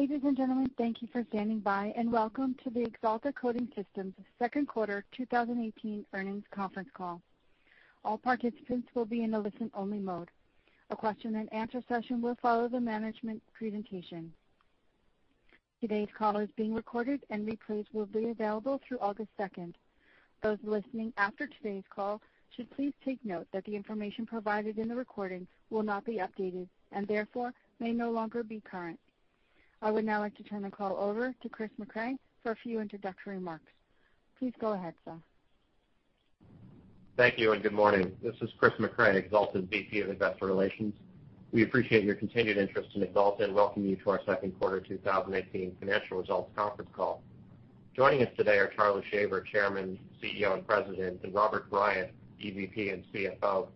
Ladies and gentlemen, thank you for standing by, and welcome to the Axalta Coating Systems second quarter 2018 earnings conference call. All participants will be in a listen-only mode. A question and answer session will follow the management presentation. Today's call is being recorded and replays will be available through August 2nd. Those listening after today's call should please take note that the information provided in the recording will not be updated, and therefore, may no longer be current. I would now like to turn the call over to Christopher Mecray for a few introductory remarks. Please go ahead, sir. Thank you. Good morning. This is Christopher Mecray, Axalta's VP of Investor Relations. We appreciate your continued interest in Axalta and welcome you to our second quarter 2018 financial results conference call. Joining us today are Charles Shaver, Chairman, CEO, and President, and Robert Bryant, EVP and CFO,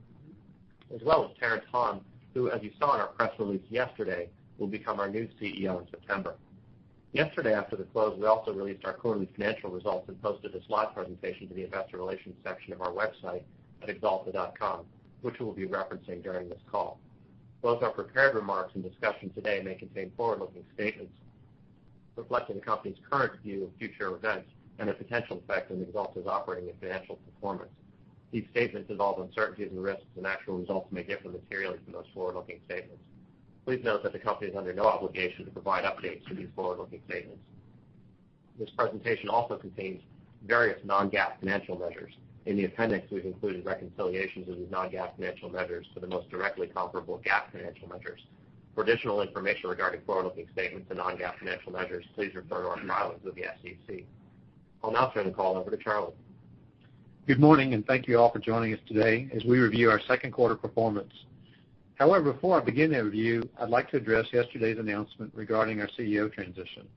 as well as Terrence Hahn, who, as you saw in our press release yesterday, will become our new CEO in September. Yesterday, after the close, we also released our quarterly financial results and posted a slide presentation to the investor relations section of our website at axalta.com, which we'll be referencing during this call. Both our prepared remarks and discussion today may contain forward-looking statements reflecting the company's current view of future events and the potential effect on Axalta's operating and financial performance. These statements involve uncertainties and risks, and actual results may differ materially from those forward-looking statements. Please note that the company is under no obligation to provide updates to these forward-looking statements. This presentation also contains various non-GAAP financial measures. In the appendix, we've included reconciliations of these non-GAAP financial measures to the most directly comparable GAAP financial measures. For additional information regarding forward-looking statements to non-GAAP financial measures, please refer to our filings with the SEC. I'll now turn the call over to Charlie. Good morning. Thank you all for joining us today as we review our second quarter performance. Before I begin the review, I'd like to address yesterday's announcement regarding our CEO transition.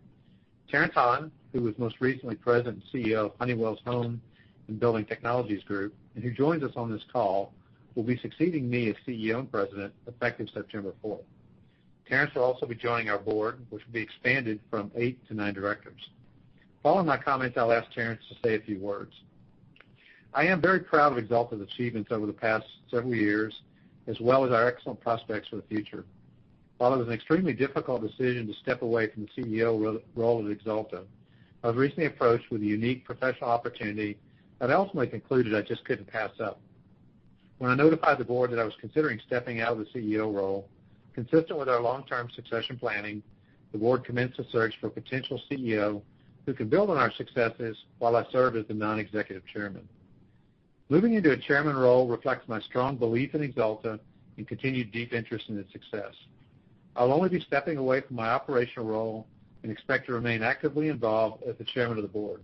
Terrence Hahn, who was most recently President and CEO of Honeywell's Home and Building Technologies Group, and who joins us on this call, will be succeeding me as CEO and President effective September 4th. Terrence will also be joining our board, which will be expanded from eight to nine directors. Following my comments, I'll ask Terrence to say a few words. I am very proud of Axalta's achievements over the past several years, as well as our excellent prospects for the future. While it was an extremely difficult decision to step away from the CEO role at Axalta, I was recently approached with a unique professional opportunity that I ultimately concluded I just couldn't pass up. When I notified the Board that I was considering stepping out of the CEO role, consistent with our long-term succession planning, the Board commenced a search for a potential CEO who can build on our successes while I serve as the non-executive Chairman. Moving into a Chairman role reflects my strong belief in Axalta and continued deep interest in its success. I'll only be stepping away from my operational role and expect to remain actively involved as the Chairman of the Board.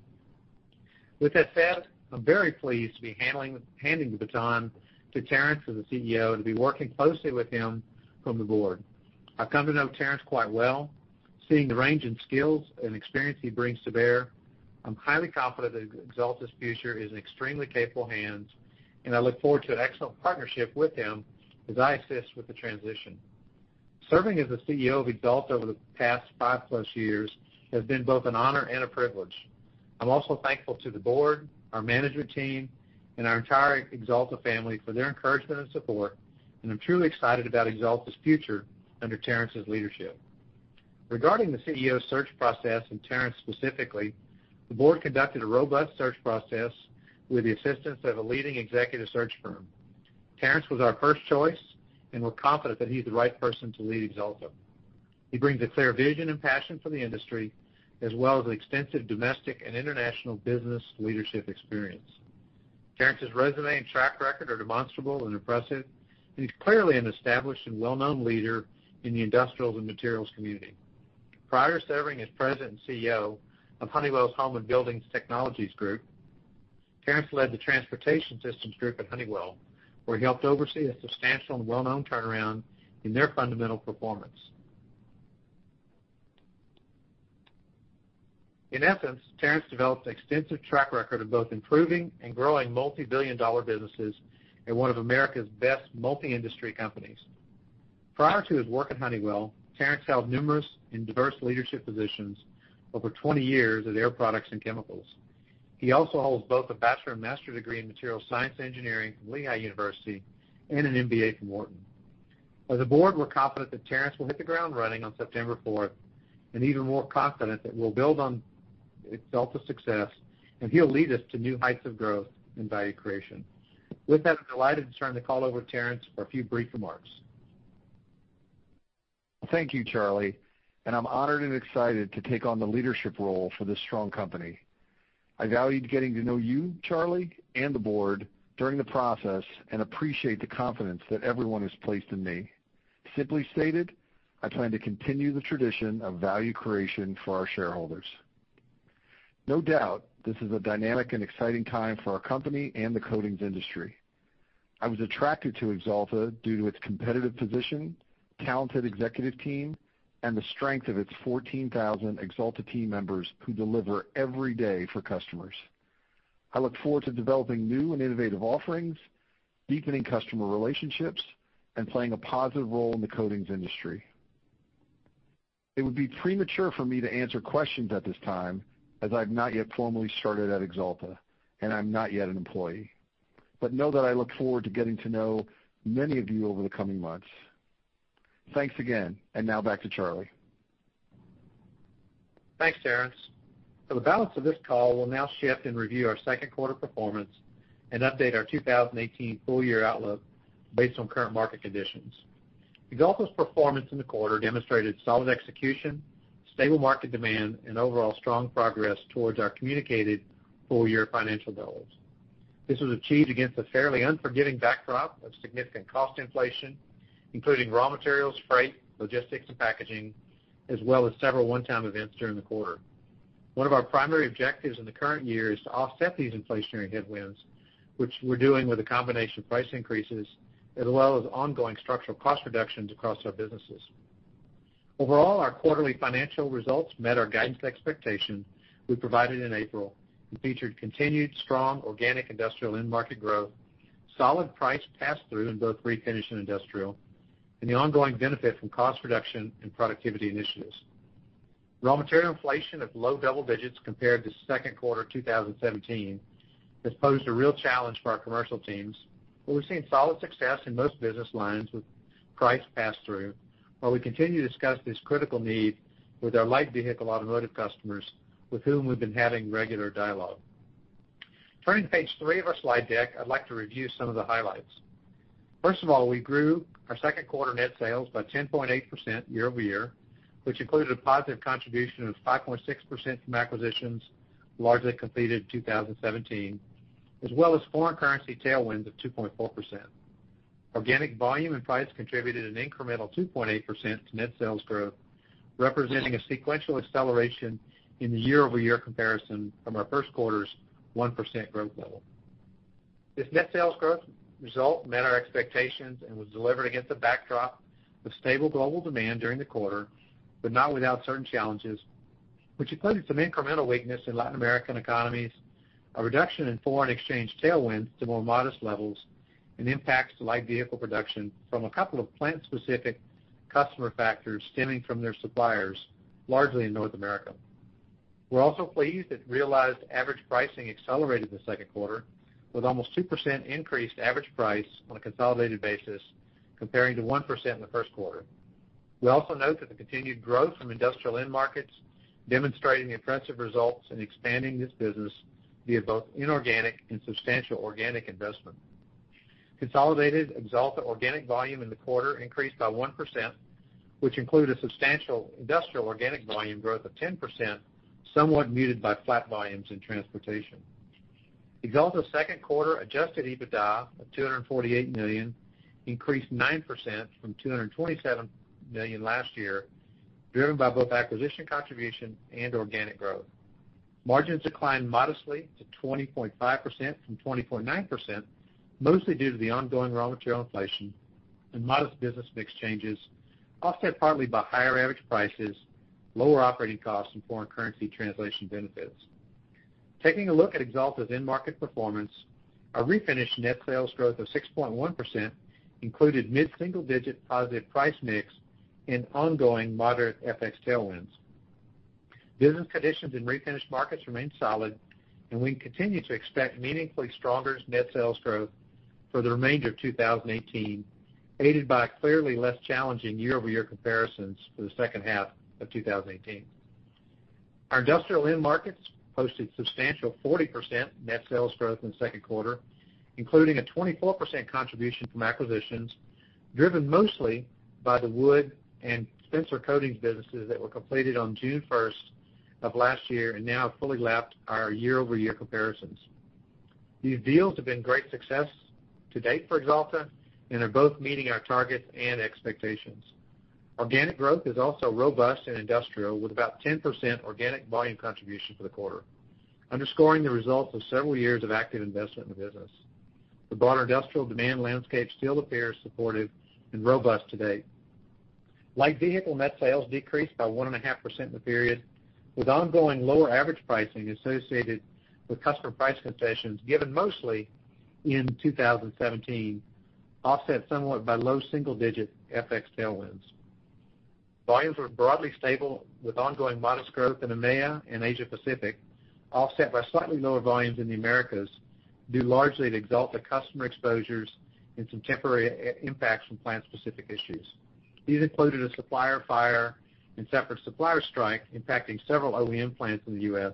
With that said, I'm very pleased to be handing the baton to Terrence as the CEO and to be working closely with him from the Board. I've come to know Terrence quite well, seeing the range in skills and experience he brings to bear. I'm highly confident that Axalta's future is in extremely capable hands, and I look forward to an excellent partnership with him as I assist with the transition. Serving as the CEO of Axalta over the past five-plus years has been both an honor and a privilege. I'm also thankful to the Board, our management team, and our entire Axalta family for their encouragement and support, and I'm truly excited about Axalta's future under Terrence's leadership. Regarding the CEO search process, and Terrence specifically, the Board conducted a robust search process with the assistance of a leading executive search firm. Terrence was our first choice, and we're confident that he's the right person to lead Axalta. He brings a clear vision and passion for the industry, as well as extensive domestic and international business leadership experience. Terrence's resume and track record are demonstrable and impressive, and he's clearly an established and well-known leader in the industrials and materials community. Prior to serving as President and CEO of Honeywell's Home and Building Technologies group, Terrence led the Transportation Systems group at Honeywell, where he helped oversee a substantial and well-known turnaround in their fundamental performance. In essence, Terrence developed an extensive track record of both improving and growing multi-billion dollar businesses in one of America's best multi-industry companies. Prior to his work at Honeywell, Terrence held numerous and diverse leadership positions over 20 years at Air Products and Chemicals. He also holds both a bachelor and master degree in material science engineering from Lehigh University and an MBA from Wharton. As a Board, we're confident that Terrence will hit the ground running on September 4th and even more confident that we'll build on Axalta's success, and he'll lead us to new heights of growth and value creation. With that, I'm delighted to turn the call over to Terrence for a few brief remarks. Thank you, Charles, and I'm honored and excited to take on the leadership role for this strong company. I valued getting to know you, Charles, and the board during the process and appreciate the confidence that everyone has placed in me. Simply stated, I plan to continue the tradition of value creation for our shareholders. No doubt, this is a dynamic and exciting time for our company and the coatings industry. I was attracted to Axalta due to its competitive position, talented executive team, and the strength of its 14,000 Axalta team members who deliver every day for customers. I look forward to developing new and innovative offerings, deepening customer relationships, and playing a positive role in the coatings industry. It would be premature for me to answer questions at this time, as I've not yet formally started at Axalta, and I'm not yet an employee. Know that I look forward to getting to know many of you over the coming months. Thanks again. Now back to Charles. Thanks, Terrence. For the balance of this call, we'll now shift and review our second quarter performance and update our 2018 full year outlook based on current market conditions. Axalta's performance in the quarter demonstrated solid execution, stable market demand, and overall strong progress towards our communicated full-year financial goals. This was achieved against a fairly unforgiving backdrop of significant cost inflation, including raw materials, freight, logistics, and packaging, as well as several one-time events during the quarter. One of our primary objectives in the current year is to offset these inflationary headwinds, which we're doing with a combination of price increases as well as ongoing structural cost reductions across our businesses. Overall, our quarterly financial results met our guidance expectations we provided in April, and featured continued strong organic industrial end market growth, solid price pass-through in both refinish and industrial, and the ongoing benefit from cost reduction and productivity initiatives. Raw material inflation of low double digits compared to second quarter 2017 has posed a real challenge for our commercial teams, but we've seen solid success in most business lines with price pass-through, while we continue to discuss this critical need with our light vehicle automotive customers with whom we've been having regular dialogue. Turning to page three of our slide deck, I'd like to review some of the highlights. First of all, we grew our second quarter net sales by 10.8% year-over-year, which included a positive contribution of 5.6% from acquisitions largely completed in 2017, as well as foreign currency tailwinds of 2.4%. Organic volume and price contributed an incremental 2.8% to net sales growth, representing a sequential acceleration in the year-over-year comparison from our first quarter's 1% growth level. This net sales growth result met our expectations and was delivered against a backdrop of stable global demand during the quarter, but not without certain challenges, which included some incremental weakness in Latin American economies, a reduction in foreign exchange tailwinds to more modest levels, and impacts to light vehicle production from a couple of plant-specific customer factors stemming from their suppliers, largely in North America. We are also pleased that realized average pricing accelerated in the second quarter, with almost 2% increased average price on a consolidated basis comparing to 1% in the first quarter. We also note that the continued growth from industrial end markets, demonstrating the impressive results in expanding this business via both inorganic and substantial organic investment. Consolidated Axalta organic volume in the quarter increased by 1%, which include a substantial industrial organic volume growth of 10%, somewhat muted by flat volumes in transportation. Axalta's second quarter adjusted EBITDA of $248 million increased 9% from $227 million last year, driven by both acquisition contribution and organic growth. Margins declined modestly to 20.5% from 20.9%, mostly due to the ongoing raw material inflation and modest business mix changes, offset partly by higher average prices, lower operating costs and foreign currency translation benefits. Taking a look at Axalta's end market performance, our refinish net sales growth of 6.1% included mid-single-digit positive price mix and ongoing moderate FX tailwinds. Business conditions in refinish markets remain solid, and we continue to expect meaningfully stronger net sales growth for the remainder of 2018, aided by clearly less challenging year-over-year comparisons for the second half of 2018. Our industrial end markets posted substantial 40% net sales growth in the second quarter, including a 24% contribution from acquisitions, driven mostly by the wood and Spencer Coatings businesses that were completed on June 1st of last year and now have fully lapped our year-over-year comparisons. These deals have been great success to date for Axalta and are both meeting our targets and expectations. Organic growth is also robust in industrial, with about 10% organic volume contribution for the quarter, underscoring the results of several years of active investment in the business. The broader industrial demand landscape still appears supportive and robust to date. Light vehicle net sales decreased by 1.5% in the period, with ongoing lower average pricing associated with customer price concessions given mostly in 2017, offset somewhat by low single-digit FX tailwinds. Volumes were broadly stable with ongoing modest growth in EMEA and Asia Pacific, offset by slightly lower volumes in the Americas, due largely to Axalta customer exposures and some temporary impacts from plant-specific issues. These included a supplier fire and separate supplier strike impacting several OEM plants in the U.S.,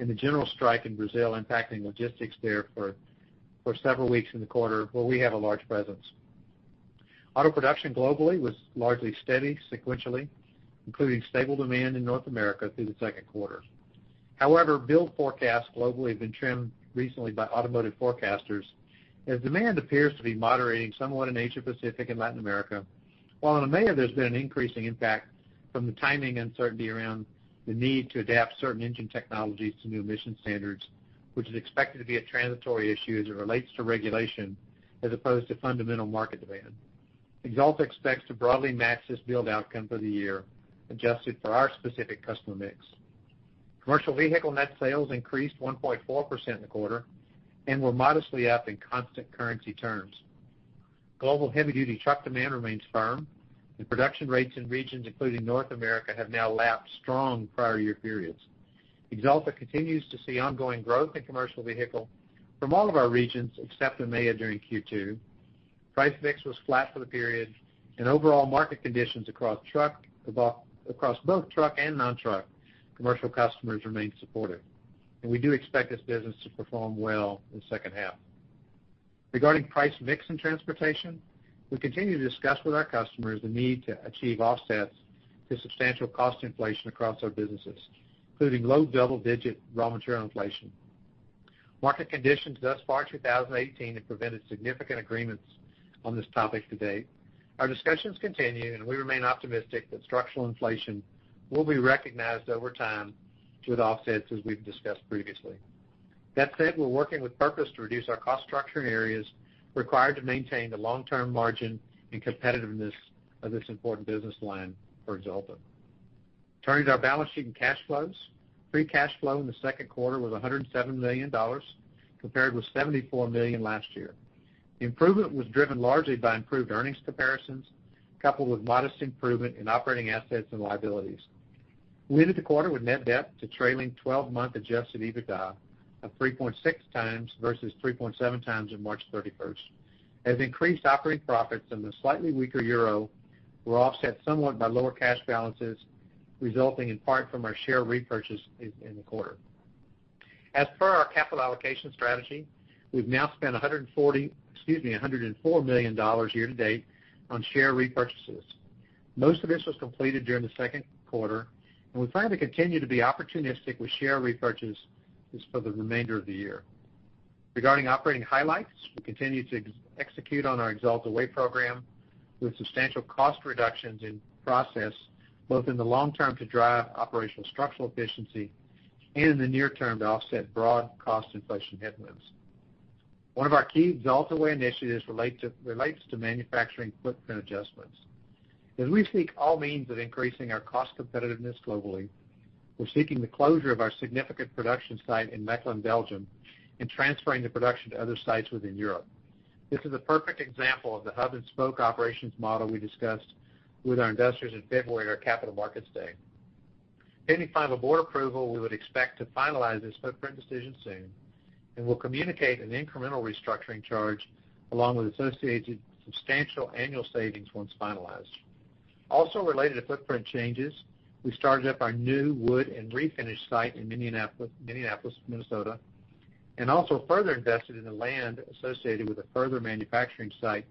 and the general strike in Brazil impacting logistics there for several weeks in the quarter where we have a large presence. Auto production globally was largely steady sequentially, including stable demand in North America through the second quarter. However, build forecasts globally have been trimmed recently by automotive forecasters as demand appears to be moderating somewhat in Asia Pacific and Latin America, while in EMEA, there's been an increasing impact from the timing uncertainty around the need to adapt certain engine technologies to new emission standards, which is expected to be a transitory issue as it relates to regulation as opposed to fundamental market demand. Axalta expects to broadly match this build outcome for the year, adjusted for our specific customer mix. Commercial vehicle net sales increased 1.4% in the quarter and were modestly up in constant currency terms. Global heavy-duty truck demand remains firm, and production rates in regions including North America have now lapped strong prior year periods. Axalta continues to see ongoing growth in commercial vehicle from all of our regions, except in EMEA during Q2. Price mix was flat for the period. Overall market conditions across both truck and non-truck commercial customers remain supportive, and we do expect this business to perform well in the second half. Regarding price mix and transportation, we continue to discuss with our customers the need to achieve offsets to substantial cost inflation across our businesses, including low double-digit raw material inflation. Market conditions thus far 2018 have prevented significant agreements on this topic to date. Our discussions continue. We remain optimistic that structural inflation will be recognized over time through the offsets as we've discussed previously. That said, we're working with purpose to reduce our cost structure in areas required to maintain the long-term margin and competitiveness of this important business line for Axalta. Turning to our balance sheet and cash flows, free cash flow in the second quarter was $107 million compared with $74 million last year. Improvement was driven largely by improved earnings comparisons, coupled with modest improvement in operating assets and liabilities. We ended the quarter with net debt to trailing 12-month adjusted EBITDA of 3.6 times versus 3.7 times on March 31st, as increased operating profits and the slightly weaker euro were offset somewhat by lower cash balances, resulting in part from our share repurchase in the quarter. As per our capital allocation strategy, we've now spent $104 million year to date on share repurchases. Most of this was completed during the second quarter. We plan to continue to be opportunistic with share repurchases for the remainder of the year. Regarding operating highlights, we continue to execute on our Axalta Way program with substantial cost reductions in process, both in the long term to drive operational structural efficiency and in the near term to offset broad cost inflation headwinds. One of our key Axalta Way initiatives relates to manufacturing footprint adjustments. As we seek all means of increasing our cost competitiveness globally, we're seeking the closure of our significant production site in Mechelen, Belgium, and transferring the production to other sites within Europe. This is a perfect example of the hub and spoke operations model we discussed with our investors in February at our Capital Markets Day. Pending final board approval, we would expect to finalize this footprint decision soon. We'll communicate an incremental restructuring charge along with associated substantial annual savings once finalized. Also related to footprint changes, we started up our new wood and refinish site in Minneapolis, Minnesota, and also further invested in the land associated with a further manufacturing site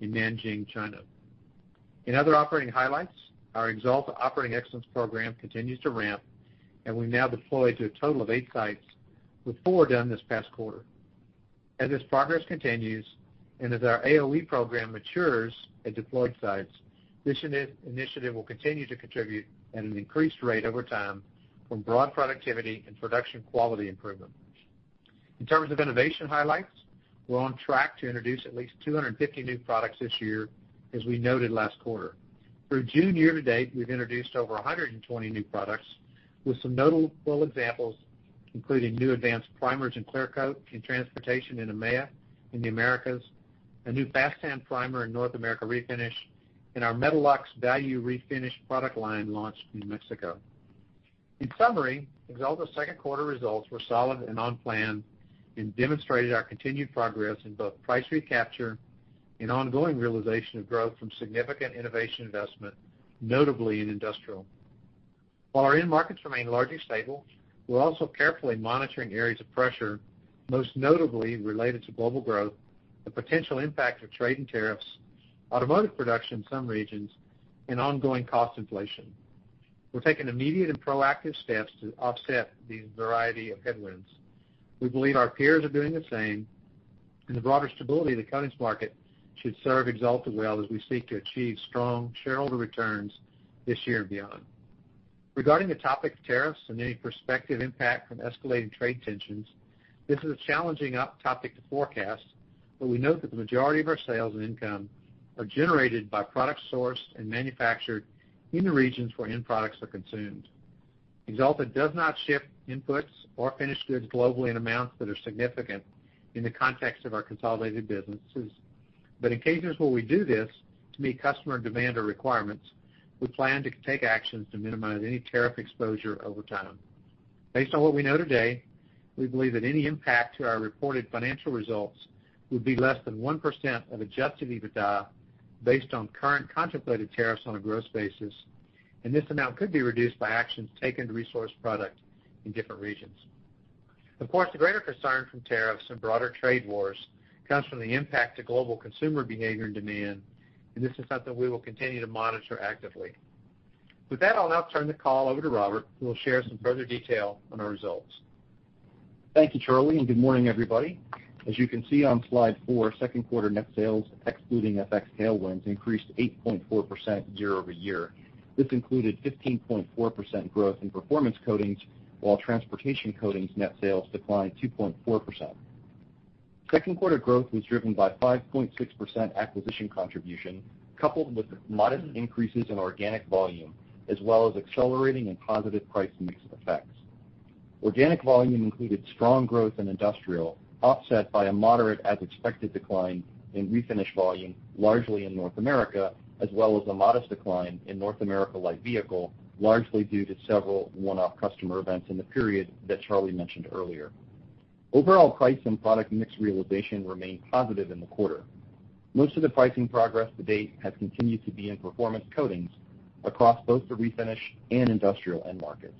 in Nanjing, China. In other operating highlights, our Axalta Operating Excellence program continues to ramp, and we've now deployed to a total of eight sites, with four done this past quarter. As this progress continues and as our AOE program matures at deployed sites, this initiative will continue to contribute at an increased rate over time from broad productivity and production quality improvements. In terms of innovation highlights, we're on track to introduce at least 250 new products this year, as we noted last quarter. Through June year to date, we've introduced over 120 new products with some notable examples, including new advanced primers and clear coat in transportation in EMEA and the Americas, a new fast sand primer in North America Refinish, and our Metalux Value Refinish product line launched in Mexico. In summary, Axalta's second quarter results were solid and on plan and demonstrated our continued progress in both price recapture and ongoing realization of growth from significant innovation investment, notably in industrial. While our end markets remain largely stable, we're also carefully monitoring areas of pressure, most notably related to global growth, the potential impact of trade and tariffs, automotive production in some regions, and ongoing cost inflation. We're taking immediate and proactive steps to offset these variety of headwinds. We believe our peers are doing the same, and the broader stability of the coatings market should serve Axalta well as we seek to achieve strong shareholder returns this year and beyond. Regarding the topic of tariffs and any prospective impact from escalating trade tensions, this is a challenging topic to forecast, but we note that the majority of our sales and income are generated by products sourced and manufactured in the regions where end products are consumed. Axalta does not ship inputs or finished goods globally in amounts that are significant in the context of our consolidated businesses. But in cases where we do this to meet customer demand or requirements, we plan to take actions to minimize any tariff exposure over time. Based on what we know today, we believe that any impact to our reported financial results would be less than 1% of adjusted EBITDA based on current contemplated tariffs on a gross basis, and this amount could be reduced by actions taken to resource product in different regions. Of course, the greater concern from tariffs and broader trade wars comes from the impact to global consumer behavior and demand, and this is something we will continue to monitor actively. With that, I'll now turn the call over to Robert, who will share some further detail on our results. Thank you, Charlie, and good morning, everybody. As you can see on slide four, second quarter net sales, excluding FX tailwinds, increased 8.4% year-over-year. This included 15.4% growth in Performance Coatings, while Transportation Coatings net sales declined 2.4%. Second quarter growth was driven by 5.6% acquisition contribution, coupled with modest increases in organic volume, as well as accelerating and positive price mix effects. Organic volume included strong growth in industrial, offset by a moderate as-expected decline in refinish volume, largely in North America, as well as a modest decline in North America light vehicle, largely due to several one-off customer events in the period that Charlie mentioned earlier. Overall price and product mix realization remained positive in the quarter. Most of the pricing progress to date has continued to be in Performance Coatings across both the refinish and industrial end markets.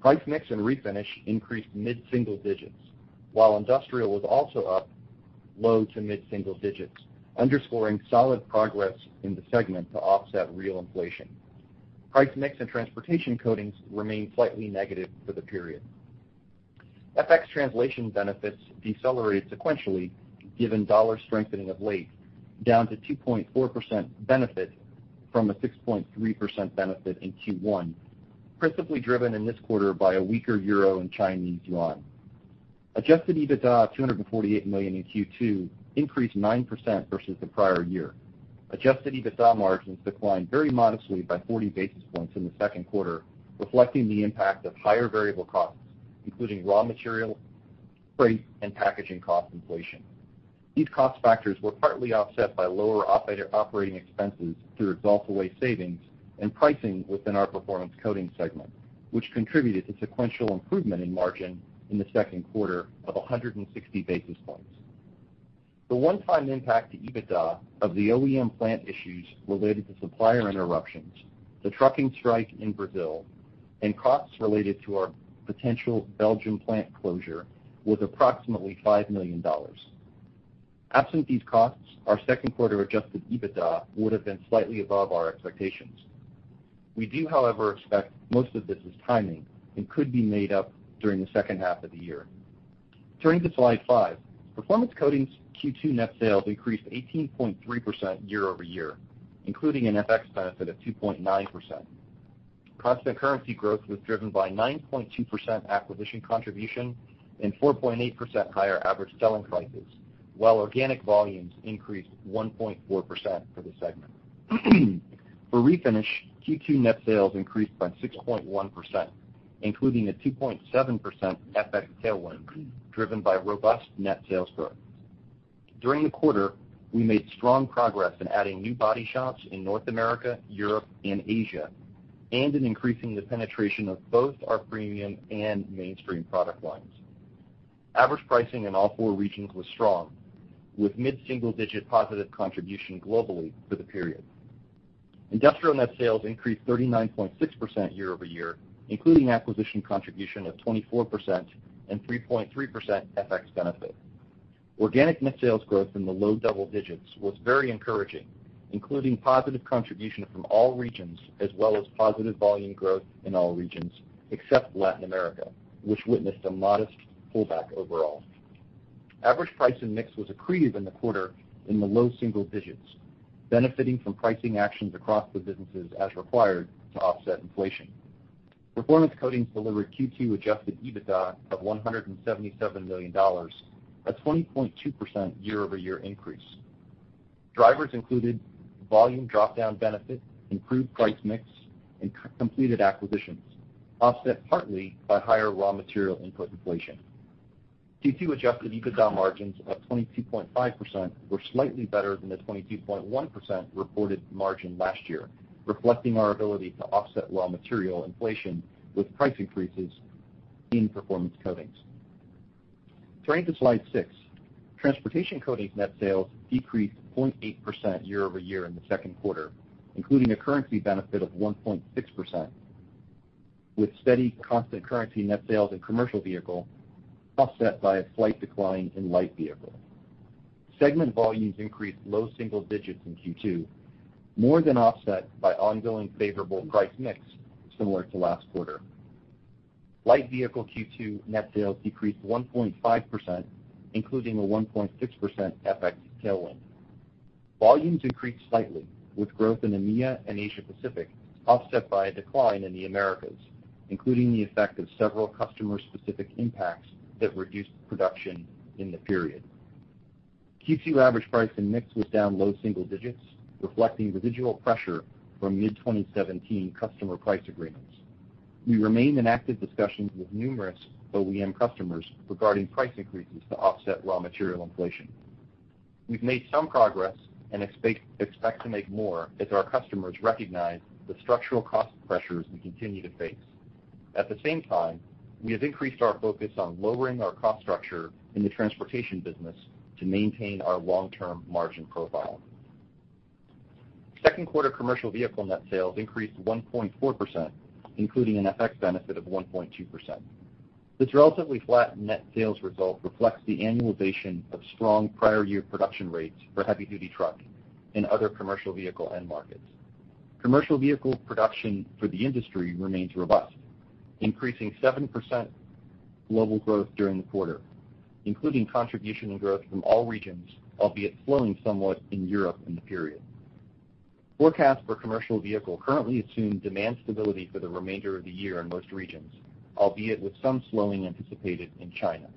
Price mix and refinish increased mid-single digits, while industrial was also up low to mid-single digits, underscoring solid progress in the segment to offset real inflation. Price mix and Transportation Coatings remained slightly negative for the period. FX translation benefits decelerated sequentially, given dollar strengthening of late, down to 2.4% benefit from a 6.3% benefit in Q1, principally driven in this quarter by a weaker EUR and CNY. Adjusted EBITDA of $248 million in Q2 increased 9% versus the prior year. Adjusted EBITDA margins declined very modestly by 40 basis points in the second quarter, reflecting the impact of higher variable costs, including raw material, freight, and packaging cost inflation. These cost factors were partly offset by lower operating expenses through Axalta Way savings and pricing within our Performance Coatings segment, which contributed to sequential improvement in margin in the second quarter of 160 basis points. The one-time impact to EBITDA of the OEM plant issues related to supplier interruptions, the trucking strike in Brazil, and costs related to our potential Belgium plant closure was approximately $5 million. Absent these costs, our second quarter adjusted EBITDA would have been slightly above our expectations. We do, however, expect most of this is timing and could be made up during the second half of the year. Turning to slide five, Performance Coatings' Q2 net sales increased 18.3% year-over-year, including an FX benefit of 2.9%. Constant currency growth was driven by 9.2% acquisition contribution and 4.8% higher average selling prices, while organic volumes increased 1.4% for the segment. For refinish, Q2 net sales increased by 6.1%, including a 2.7% FX tailwind driven by robust net sales growth. During the quarter, we made strong progress in adding new body shops in North America, Europe, and Asia, and in increasing the penetration of both our premium and mainstream product lines. Average pricing in all four regions was strong, with mid-single-digit positive contribution globally for the period. Industrial net sales increased 39.6% year-over-year, including acquisition contribution of 24% and 3.3% FX benefit. Organic net sales growth in the low double digits was very encouraging, including positive contribution from all regions, as well as positive volume growth in all regions except Latin America, which witnessed a modest pullback overall. Average price and mix was accretive in the quarter in the low single digits, benefiting from pricing actions across the businesses as required to offset inflation. Performance Coatings delivered Q2 adjusted EBITDA of $177 million, a 20.2% year-over-year increase. Drivers included volume drop-down benefit, improved price mix, and completed acquisitions, offset partly by higher raw material input inflation. Q2 adjusted EBITDA margins of 22.5% were slightly better than the 22.1% reported margin last year, reflecting our ability to offset raw material inflation with price increases in Performance Coatings. Turning to slide six, Transportation Coatings' net sales decreased 0.8% year-over-year in the second quarter, including a currency benefit of 1.6%, with steady constant currency net sales in commercial vehicle offset by a slight decline in light vehicle. Segment volumes increased low single digits in Q2, more than offset by ongoing favorable price mix similar to last quarter. Light vehicle Q2 net sales decreased 1.5%, including a 1.6% FX tailwind. Volumes increased slightly, with growth in EMEA and Asia Pacific offset by a decline in the Americas, including the effect of several customer specific impacts that reduced production in the period. Q2 average price and mix was down low single digits, reflecting residual pressure from mid-2017 customer price agreements. We remain in active discussions with numerous OEM customers regarding price increases to offset raw material inflation. We've made some progress and expect to make more as our customers recognize the structural cost pressures we continue to face. At the same time, we have increased our focus on lowering our cost structure in the transportation business to maintain our long-term margin profile. Second quarter commercial vehicle net sales increased 1.4%, including an FX benefit of 1.2%. This relatively flat net sales result reflects the annualization of strong prior year production rates for heavy duty truck and other commercial vehicle end markets. Commercial vehicle production for the industry remains robust, increasing 7% global growth during the quarter, including contribution and growth from all regions, albeit slowing somewhat in Europe in the period. Forecasts for commercial vehicle currently assume demand stability for the remainder of the year in most regions, albeit with some slowing anticipated in China.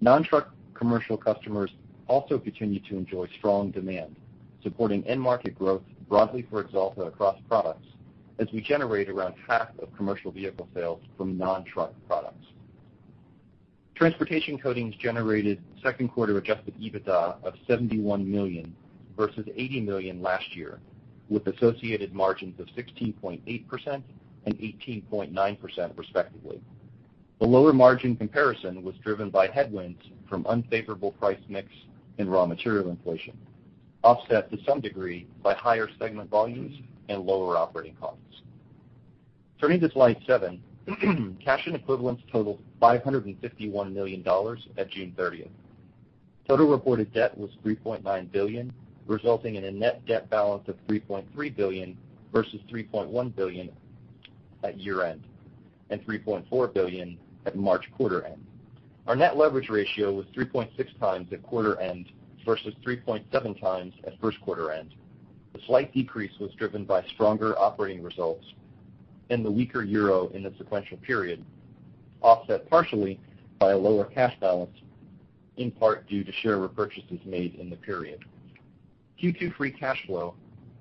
Non-truck commercial customers also continue to enjoy strong demand, supporting end market growth broadly for Axalta across products as we generate around half of commercial vehicle sales from non-truck products. Transportation Coatings generated second quarter adjusted EBITDA of $71 million versus $80 million last year, with associated margins of 16.8% and 18.9%, respectively. The lower margin comparison was driven by headwinds from unfavorable price mix and raw material inflation, offset to some degree by higher segment volumes and lower operating costs. Turning to slide seven, cash and equivalents totaled $551 million at June 30th. Total reported debt was $3.9 billion, resulting in a net debt balance of $3.3 billion versus $3.1 billion at year-end, and $3.4 billion at March quarter end. Our net leverage ratio was 3.6 times at quarter end versus 3.7 times at first quarter end. The slight decrease was driven by stronger operating results and the weaker euro in the sequential period, offset partially by a lower cash balance, in part due to share repurchases made in the period. Q2 free cash flow,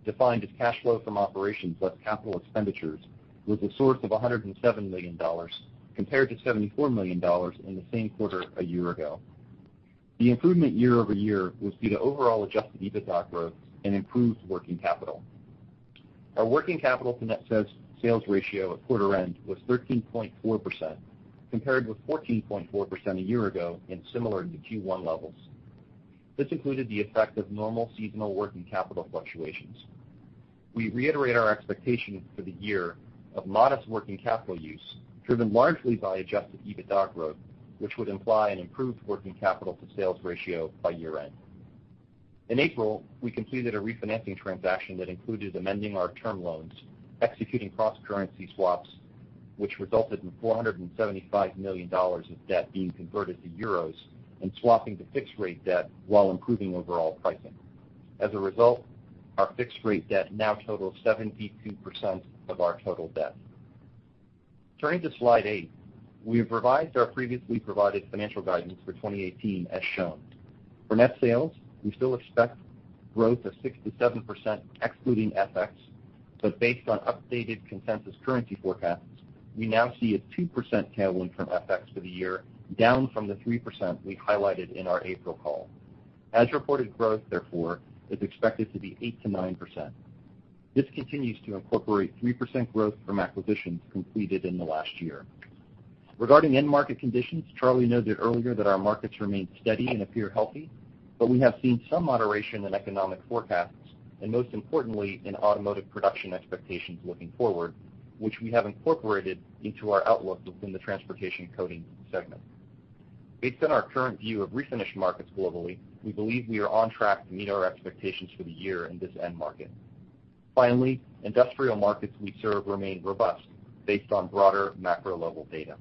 defined as cash flow from operations plus capital expenditures, was a source of $107 million compared to $74 million in the same quarter a year ago. The improvement year-over-year was due to overall adjusted EBITDA growth and improved working capital. Our working capital to net sales ratio at quarter end was 13.4%, compared with 14.4% a year ago and similar to Q1 levels. This included the effect of normal seasonal working capital fluctuations. We reiterate our expectation for the year of modest working capital use, driven largely by adjusted EBITDA growth, which would imply an improved working capital to sales ratio by year end. In April, we completed a refinancing transaction that included amending our term loans, executing cross-currency swaps, which resulted in EUR 475 million of debt being converted to euros and swapping to fixed rate debt while improving overall pricing. As a result, our fixed rate debt now totals 72% of our total debt. Turning to slide eight, we've revised our previously provided financial guidance for 2018 as shown. For net sales, we still expect growth of 6%-7% excluding FX, but based on updated consensus currency forecasts, we now see a 2% tailwind from FX for the year, down from the 3% we highlighted in our April call. As reported growth, therefore, is expected to be 8%-9%. This continues to incorporate 3% growth from acquisitions completed in the last year. Regarding end market conditions, Charlie noted earlier that our markets remain steady and appear healthy, but we have seen some moderation in economic forecasts, and most importantly, in automotive production expectations looking forward, which we have incorporated into our outlook within the Transportation Coatings segment. Based on our current view of refinish markets globally, we believe we are on track to meet our expectations for the year in this end market. Industrial markets we serve remain robust based on broader macro level data.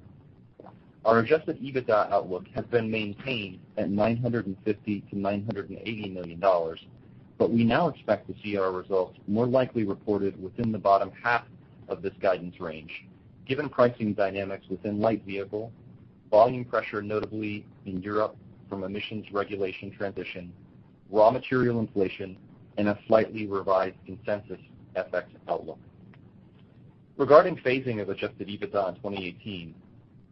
Our adjusted EBITDA outlook has been maintained at $950 million-$980 million, but we now expect to see our results more likely reported within the bottom half of this guidance range, given pricing dynamics within light vehicle, volume pressure notably in Europe from emissions regulation transition, raw material inflation, and a slightly revised consensus FX outlook. Regarding phasing of adjusted EBITDA in 2018,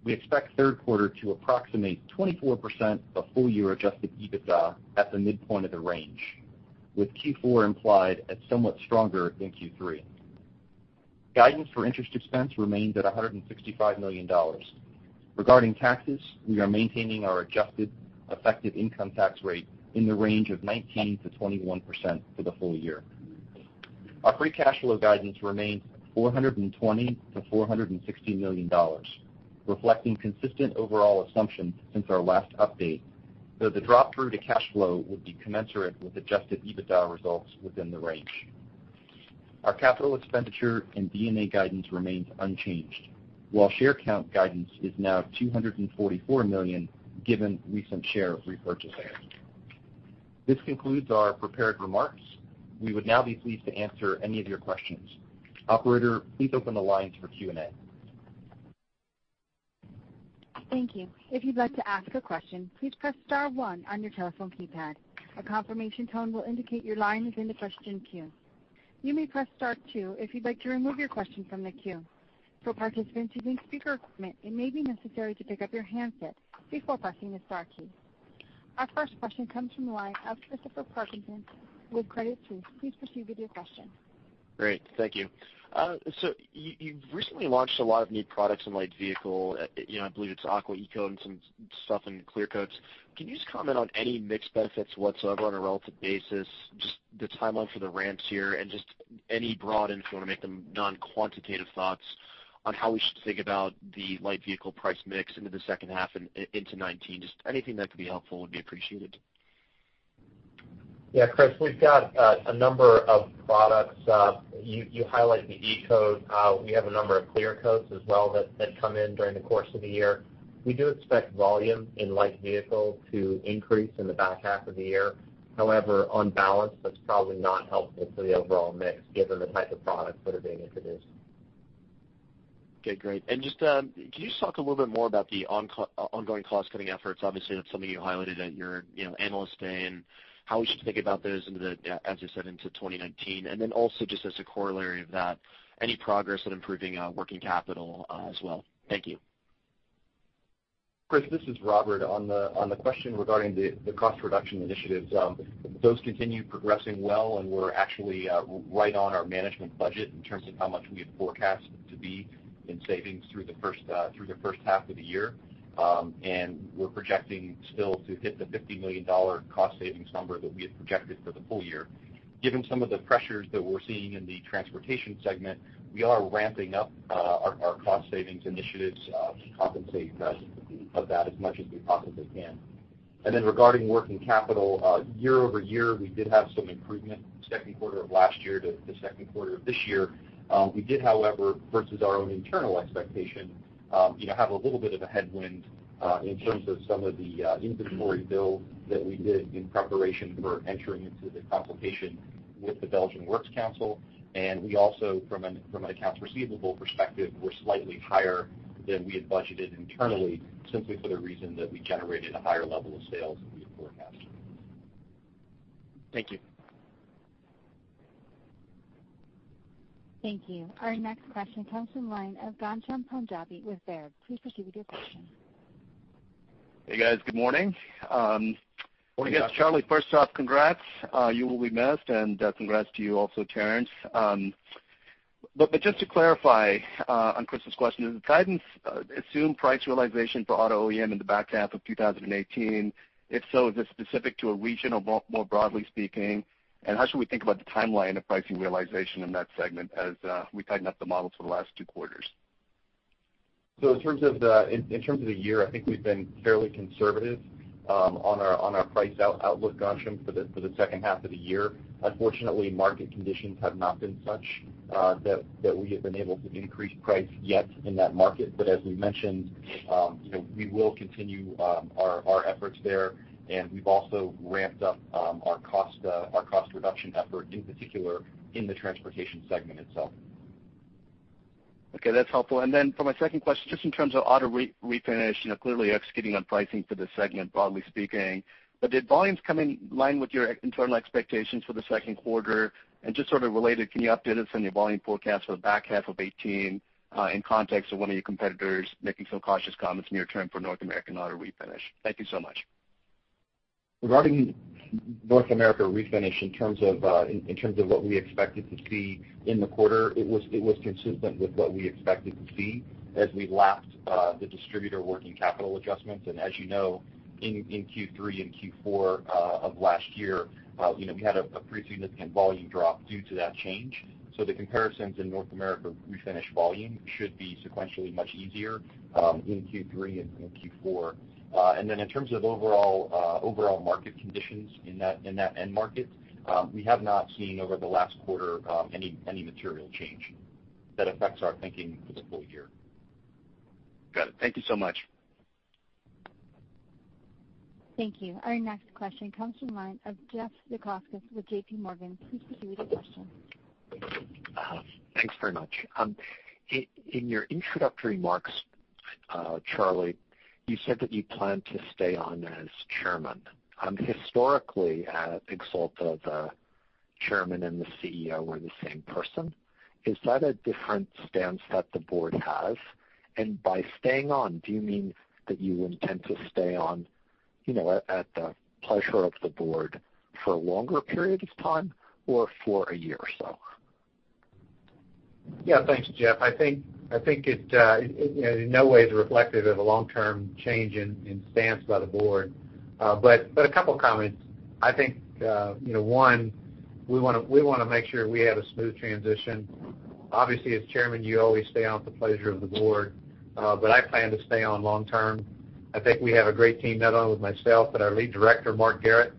we expect third quarter to approximate 24% of full year adjusted EBITDA at the midpoint of the range, with Q4 implied at somewhat stronger than Q3. Guidance for interest expense remains at $165 million. Regarding taxes, we are maintaining our adjusted effective income tax rate in the range of 19%-21% for the full year. Our free cash flow guidance remains at $420 million-$460 million, reflecting consistent overall assumptions since our last update, though the drop through to cash flow will be commensurate with adjusted EBITDA results within the range. Our capital expenditure and D&A guidance remains unchanged, while share count guidance is now 244 million given recent share repurchases. This concludes our prepared remarks. We would now be pleased to answer any of your questions. Operator, please open the lines for Q&A. Thank you. If you'd like to ask a question, please press star one on your telephone keypad. A confirmation tone will indicate your line is in the question queue. You may press star two if you'd like to remove your question from the queue. For participants using speaker equipment, it may be necessary to pick up your handset before pressing the star key. Our first question comes from the line of Christopher Parkinson with Credit Suisse. Please proceed with your question. Great. Thank you. You've recently launched a lot of new products in light vehicle. I believe it's AquaEC and some stuff in clear coats. Can you just comment on any mix benefits whatsoever on a relative basis, just the timeline for the ramps here, and just any broad info, and make them non-quantitative thoughts on how we should think about the light vehicle price mix into the second half and into 2019? Just anything that could be helpful would be appreciated. Chris, we've got a number of products. You highlight the E-Coat. We have a number of clear coats as well that come in during the course of the year. We do expect volume in light vehicle to increase in the back half of the year. However, on balance, that's probably not helpful for the overall mix given the type of products that are being introduced. Okay, great. Can you just talk a little bit more about the ongoing cost-cutting efforts? Obviously, that's something you highlighted at your analyst day, and how we should think about those, as you said, into 2019. Also just as a corollary of that, any progress on improving working capital as well? Thank you. Chris, this is Robert. On the question regarding the cost reduction initiatives, those continue progressing well, we're actually right on our management budget in terms of how much we had forecast to be in savings through the first half of the year. We're projecting still to hit the $50 million cost savings number that we had projected for the full year. Given some of the pressures that we're seeing in the Transportation segment, we are ramping up our cost savings initiatives to compensate of that as much as we possibly can. Regarding working capital, year-over-year, we did have some improvement second quarter of last year to the second quarter of this year. We did, however, versus our own internal expectation, have a little bit of a headwind in terms of some of the inventory build that we did in preparation for entering into the consultation with the Belgian Works Council. We also, from an accounts receivable perspective, were slightly higher than we had budgeted internally, simply for the reason that we generated a higher level of sales than we had forecasted. Thank you. Thank you. Our next question comes from the line of Ghansham Panjabi with Baird. Please proceed with your question. Hey, guys. Good morning. Morning, Ghansham. I guess, Charles, first off, congrats. You will be missed, and congrats to you also, Terrence. Just to clarify on Chris's question, does the guidance assume price realization for auto OEM in the back half of 2018? If so, is this specific to a region or more broadly speaking? How should we think about the timeline of pricing realization in that segment as we tighten up the model for the last two quarters? In terms of the year, I think we've been fairly conservative on our price outlook, Ghansham, for the second half of the year. Unfortunately, market conditions have not been such that we have been able to increase price yet in that market. As we mentioned, we will continue our efforts there, and we've also ramped up our cost reduction effort, in particular in the Transportation segment itself. Okay, that's helpful. For my second question, just in terms of auto refinish, clearly executing on pricing for the segment, broadly speaking. Did volumes come in line with your internal expectations for the second quarter? Just sort of related, can you update us on your volume forecast for the back half of 2018, in context of one of your competitors making some cautious comments near-term for North American auto refinish? Thank you so much. Regarding North America refinish, in terms of what we expected to see in the quarter, it was consistent with what we expected to see as we lapped the distributor working capital adjustments. As you know, in Q3 and Q4 of last year, we had a pretty significant volume drop due to that change. The comparisons in North America refinish volume should be sequentially much easier in Q3 and in Q4. In terms of overall market conditions in that end market, we have not seen over the last quarter any material change that affects our thinking for the full year. Got it. Thank you so much. Thank you. Our next question comes from the line of Jeff Zekauskas with JPMorgan. Please proceed with your question. Thanks very much. In your introductory remarks, Charlie, you said that you plan to stay on as chairman. Historically at Axalta, the chairman and the CEO were the same person. Is that a different stance that the board has? By staying on, do you mean that you intend to stay on at the pleasure of the board for a longer period of time or for a year or so? Thanks, Jeff. I think it in no way is reflective of a long-term change in stance by the board. A couple comments. I think, one, we want to make sure we have a smooth transition. Obviously, as chairman, you always stay on at the pleasure of the board, I plan to stay on long term. I think we have a great team, not only with myself, but our lead director, Mark Garrett,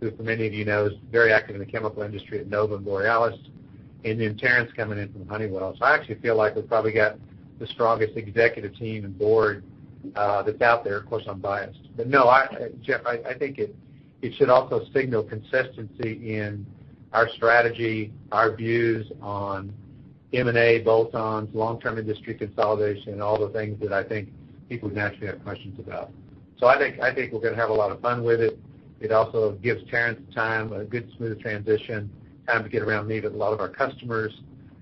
who for many of you know, is very active in the chemical industry at NOVA and Borealis, and then Terrence coming in from Honeywell. I actually feel like we've probably got the strongest executive team and board that's out there. Of course, I'm biased. No, Jeff, I think it should also signal consistency in our strategy, our views on M&A, bolt-ons, long-term industry consolidation, and all the things that I think people would naturally have questions about. I think we're going to have a lot of fun with it. It also gives Terrence time, a good, smooth transition, time to get around and meet with a lot of our customers,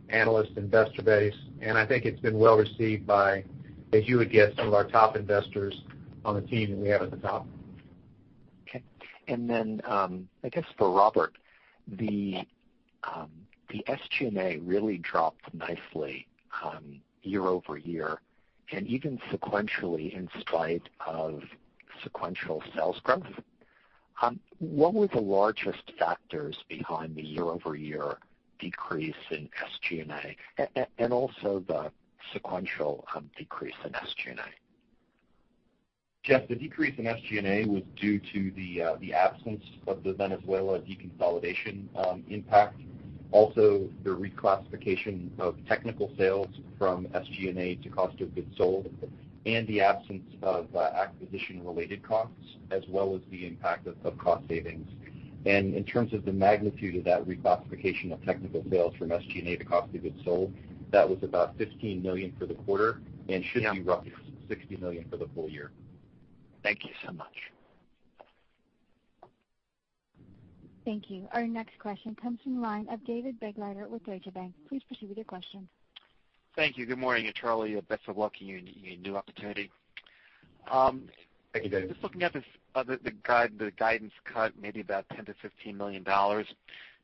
analyst, investor base, and I think it's been well received by, as you would guess, some of our top investors on the team that we have at the top. Okay. Then, I guess for Robert, the SG&A really dropped nicely year-over-year, even sequentially, in spite of sequential sales growth. What were the largest factors behind the year-over-year decrease in SG&A and also the sequential decrease in SG&A? Jeff, the decrease in SG&A was due to the absence of the Venezuela deconsolidation impact, also the reclassification of technical sales from SG&A to cost of goods sold, and the absence of acquisition-related costs, as well as the impact of cost savings. In terms of the magnitude of that reclassification of technical sales from SG&A to cost of goods sold, that was about $15 million for the quarter and should be roughly $60 million for the full year. Thank you so much. Thank you. Our next question comes from the line of David Begleiter with Deutsche Bank. Please proceed with your question. Thank you. Good morning, Charlie. Best of luck in your new opportunity. Thank you, David. Just looking at the guidance cut maybe about $10 million to $15 million.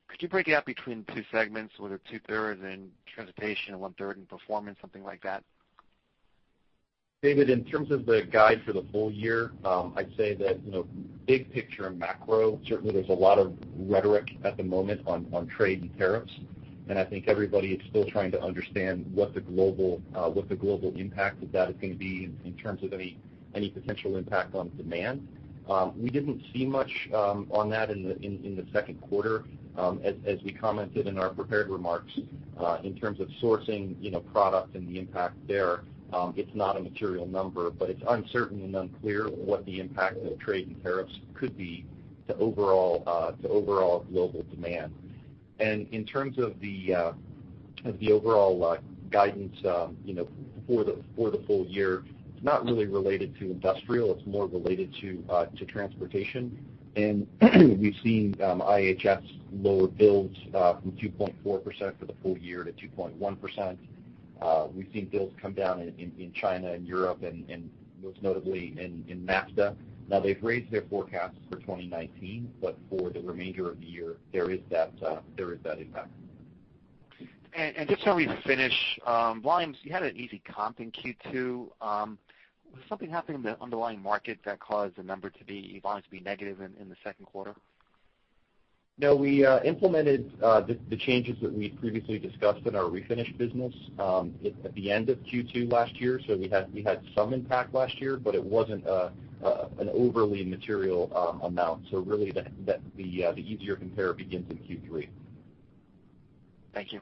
Could you break it out between two segments, whether two-thirds in Transportation and one-third in Performance, something like that? David, in terms of the guide for the whole year, I'd say that big picture and macro, certainly there's a lot of rhetoric at the moment on trade and tariffs, and I think everybody is still trying to understand what the global impact of that is going to be in terms of any potential impact on demand. We didn't see much on that in the second quarter. As we commented in our prepared remarks, in terms of sourcing product and the impact there, it's not a material number. It's uncertain and unclear what the impact of trade and tariffs could be to overall global demand. In terms of the overall guidance for the full year, it's not really related to industrial, it's more related to Transportation. We've seen IHS lower builds from 2.4% for the full year to 2.1%. We've seen builds come down in China and Europe and most notably in NAFTA. They've raised their forecasts for 2019, for the remainder of the year, there is that impact. While we finish volumes, you had an easy comp in Q2. Was something happening in the underlying market that caused the number to be, volumes to be negative in the second quarter? No, we implemented the changes that we previously discussed in our refinish business at the end of Q2 last year. We had some impact last year, but it wasn't an overly material amount. Really the easier compare begins in Q3. Thank you.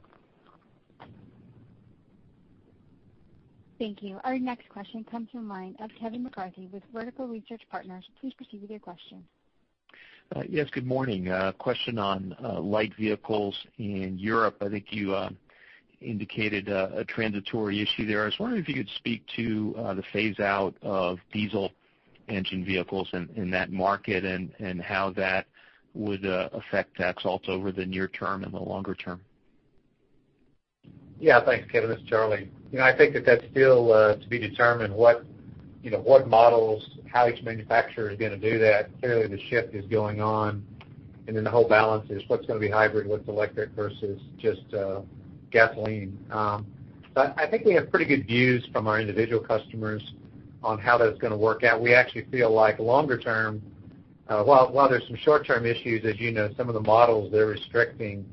Thank you. Our next question comes from the line of Kevin McCarthy with Vertical Research Partners. Please proceed with your question. Yes, good morning. A question on light vehicles in Europe. I think you indicated a transitory issue there. I was wondering if you could speak to the phase-out of diesel engine vehicles in that market and how that would affect Axalta over the near term and the longer term. Yeah. Thanks, Kevin. This is Charlie. I think that that's still to be determined what models, how each manufacturer is going to do that. Clearly, the shift is going on, and the whole balance is what's going to be hybrid, what's electric versus just gasoline. I think we have pretty good views from our individual customers on how that's going to work out. We actually feel like longer term, while there's some short-term issues, as you know, some of the models they're restricting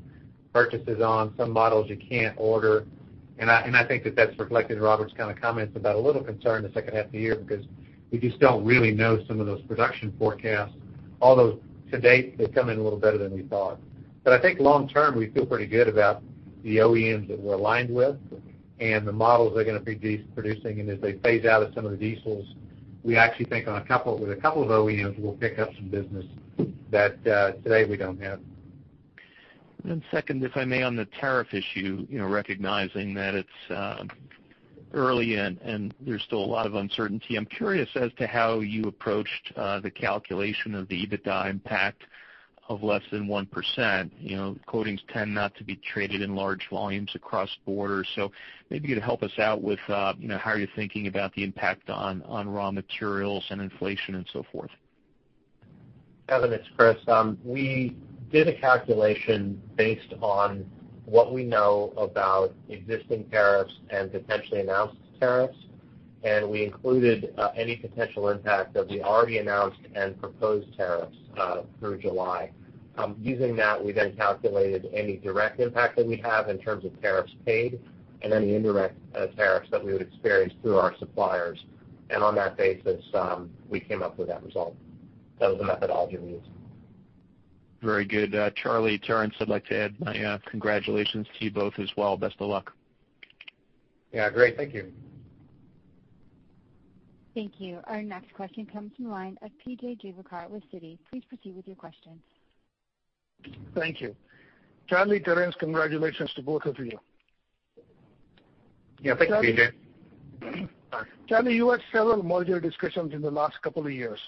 purchases on, some models you can't order, and I think that that's reflected in Robert's kind of comments about a little concern the second half of the year because we just don't really know some of those production forecasts, although to date, they've come in a little better than we thought. I think long term, we feel pretty good about the OEMs that we're aligned with and the models they're going to be producing. As they phase out some of the diesels, we actually think with a couple of OEMs, we'll pick up some business that today we don't have. Second, if I may, on the tariff issue, recognizing that it's early and there's still a lot of uncertainty. I'm curious as to how you approached the calculation of the EBITDA impact of less than 1%. Coatings tend not to be traded in large volumes across borders. Maybe you could help us out with how you're thinking about the impact on raw materials and inflation and so forth. Kevin, it's Chris. We did a calculation based on what we know about existing tariffs and potentially announced tariffs, and we included any potential impact of the already announced and proposed tariffs through July. Using that, we then calculated any direct impact that we have in terms of tariffs paid and any indirect tariffs that we would experience through our suppliers. On that basis, we came up with that result. That was the methodology we used. Very good. Charles, Terrence, I'd like to add my congratulations to you both as well. Best of luck. Yeah, great. Thank you. Thank you. Our next question comes from the line of P.J. Juvekar with Citi. Please proceed with your questions. Thank you. Charlie, Terrence, congratulations to both of you. Yeah. Thanks, P.J. Charlie, you had several merger discussions in the last couple of years.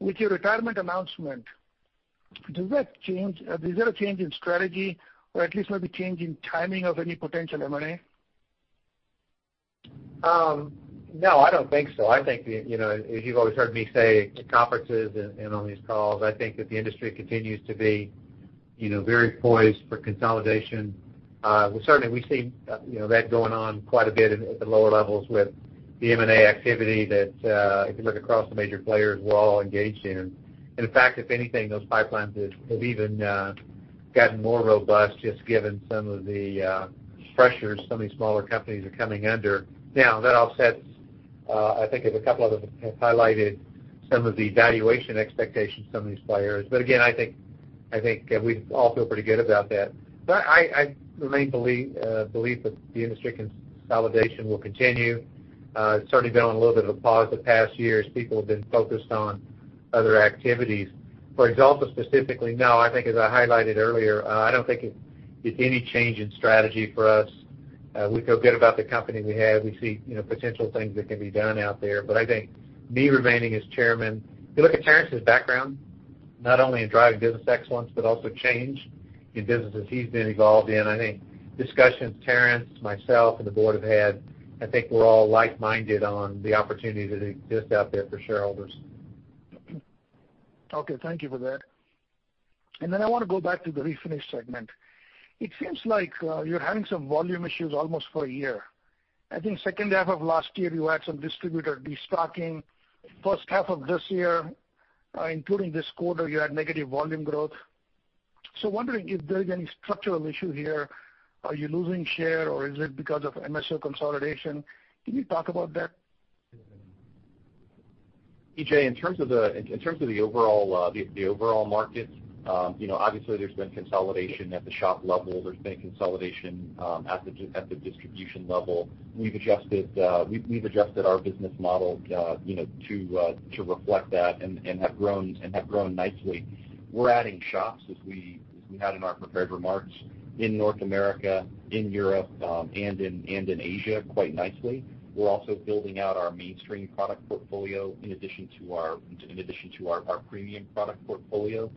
With your retirement announcement, is that a change in strategy or at least maybe change in timing of any potential M&A? No, I don't think so. I think as you've always heard me say at conferences and on these calls, I think that the industry continues to be very poised for consolidation. Certainly, we see that going on quite a bit at the lower levels with the M&A activity that if you look across the major players, we're all engaged in. In fact, if anything, those pipelines have even gotten more robust, just given some of the pressures some of these smaller companies are coming under. That offsets, I think as a couple of others have highlighted some of the valuation expectations of some of these players. Again, I think we all feel pretty good about that. I remain belief that the industry consolidation will continue. It's certainly been on a little bit of a pause the past year as people have been focused on other activities. For Axalta specifically, no. I think as I highlighted earlier, I don't think it's any change in strategy for us. We feel good about the company we have. We see potential things that can be done out there. I think me remaining as Chairman, if you look at Terrence's background, not only in driving business excellence but also change in businesses he's been involved in, I think discussions Terrence, myself, and the board have had, I think we're all like-minded on the opportunity that exists out there for shareholders. Okay. Thank you for that. I want to go back to the Refinish segment. It seems like you're having some volume issues almost for a year. I think second half of last year, you had some distributor de-stocking. First half of this year, including this quarter, you had negative volume growth. Wondering if there's any structural issue here. Are you losing share, or is it because of MSO consolidation? Can you talk about that? P.J., in terms of the overall market, obviously there's been consolidation at the shop level. There's been consolidation at the distribution level. We've adjusted our business model to reflect that and have grown nicely. We're adding shops, as we had in our prepared remarks, in North America, in Europe, and in Asia quite nicely. We're also building out our mainstream product portfolio in addition to our premium product portfolio.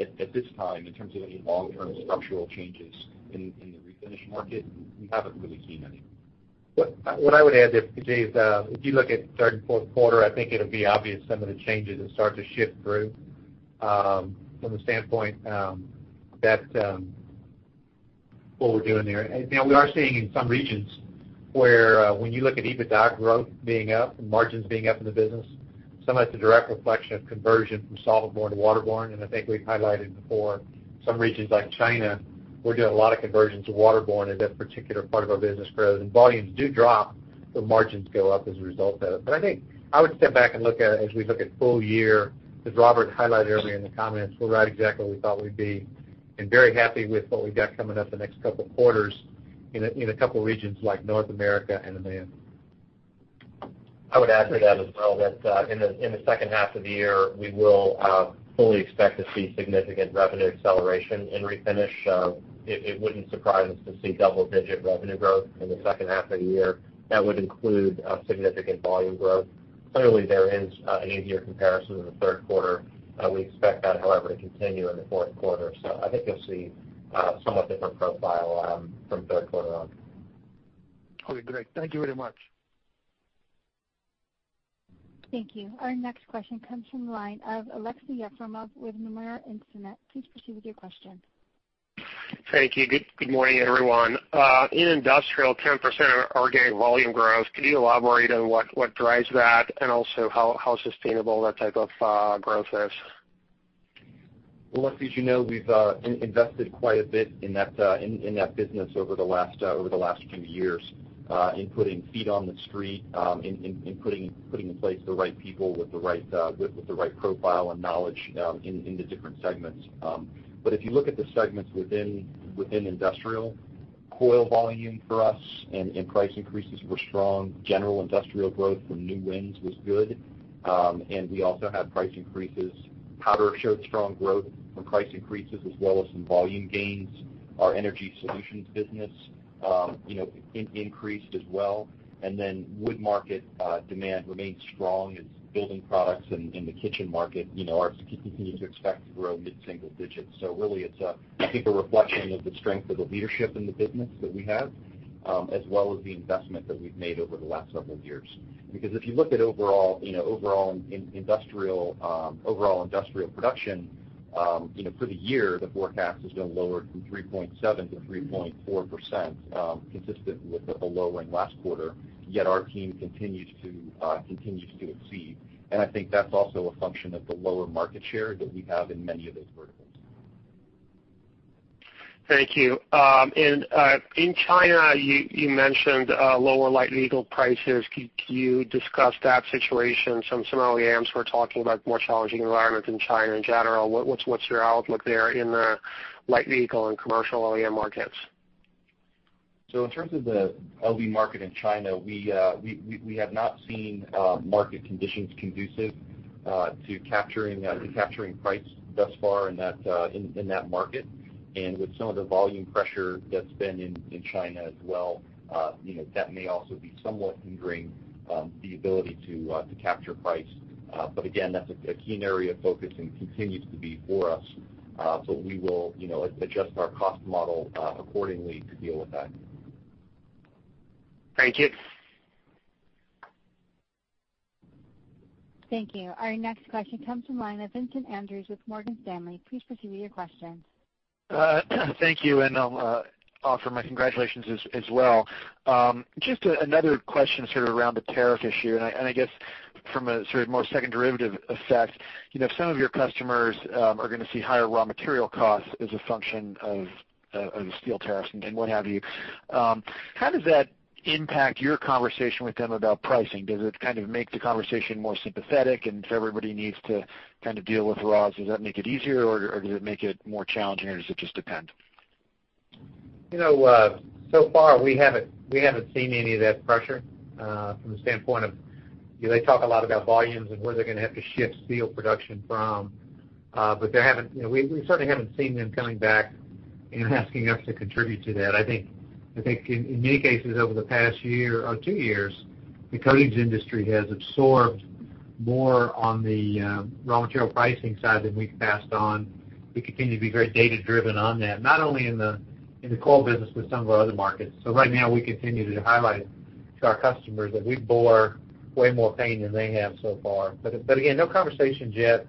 At this time, in terms of any long-term structural changes in the Refinish market, we haven't really seen any. What I would add there, P.J, is if you look at third and fourth quarter, I think it'll be obvious some of the changes that start to shift through from the standpoint that what we're doing there. We are seeing in some regions where, when you look at EBITDA growth being up and margins being up in the business, some of that's a direct reflection of conversion from solvent-borne to waterborne, and I think we've highlighted before some regions like China, we're doing a lot of conversions of waterborne in that particular part of our business for those. Volumes do drop, but margins go up as a result of that. I think I would step back and look at it as we look at full year, as Robert highlighted earlier in the comments, we're right exactly where we thought we'd be and very happy with what we've got coming up the next couple of quarters in a couple of regions like North America and EMEA. I would add to that as well that in the second half of the year, we will fully expect to see significant revenue acceleration in Refinish. It wouldn't surprise us to see double-digit revenue growth in the second half of the year. That would include a significant volume growth. Clearly, there is an easier comparison in the third quarter. We expect that, however, to continue in the fourth quarter. I think you'll see a somewhat different profile from third quarter on. Okay, great. Thank you very much. Thank you. Our next question comes from the line of Aleksey Yefremov with Nomura Instinet. Please proceed with your question. Thank you. Good morning, everyone. In Industrial, 10% organic volume growth. Can you elaborate on what drives that and also how sustainable that type of growth is? Aleksey, as you know, we've invested quite a bit in that business over the last few years in putting feet on the street, in putting in place the right people with the right profile and knowledge in the different segments. If you look at the segments within Industrial, coil volume for us and price increases were strong. General Industrial growth from new wins was good, and we also had price increases. Powder showed strong growth from price increases as well as some volume gains. Our energy solutions business increased as well. Wood market demand remains strong as building products in the kitchen market are continuing to expect to grow mid-single digits. Really, it's, I think, a reflection of the strength of the leadership in the business that we have, as well as the investment that we've made over the last several years. If you look at overall industrial production for the year, the forecast has been lowered from 3.7% to 3.4%, consistent with the low in last quarter, yet our team continues to exceed. I think that's also a function of the lower market share that we have in many of those verticals. Thank you. In China, you mentioned lower light vehicle prices. Could you discuss that situation? Some OEMs were talking about more challenging environments in China in general. What's your outlook there in the light vehicle and commercial OEM markets? In terms of the LV market in China, we have not seen market conditions conducive to capturing price thus far in that market. With some of the volume pressure that's been in China as well, that may also be somewhat hindering the ability to capture price. Again, that's a key area of focus and continues to be for us. We will adjust our cost model accordingly to deal with that. Thank you. Thank you. Our next question comes from the line of Vincent Andrews with Morgan Stanley. Please proceed with your question. Thank you, and I'll offer my congratulations as well. Another question sort of around the tariff issue, and I guess from a sort of more second derivative effect. If some of your customers are going to see higher raw material costs as a function of the steel tariffs and what have you, how does that impact your conversation with them about pricing? Does it make the conversation more sympathetic and so everybody needs to kind of deal with the raws? Does that make it easier, or does it make it more challenging, or does it just depend? We haven't seen any of that pressure from the standpoint of They talk a lot about volumes and where they're going to have to shift steel production from. We certainly haven't seen them coming back and asking us to contribute to that. I think in many cases over the past year or two years, the coatings industry has absorbed more on the raw material pricing side than we've passed on. We continue to be very data-driven on that, not only in the core business, but some of our other markets. Right now, we continue to highlight to our customers that we bore way more pain than they have so far. Again, no conversations yet.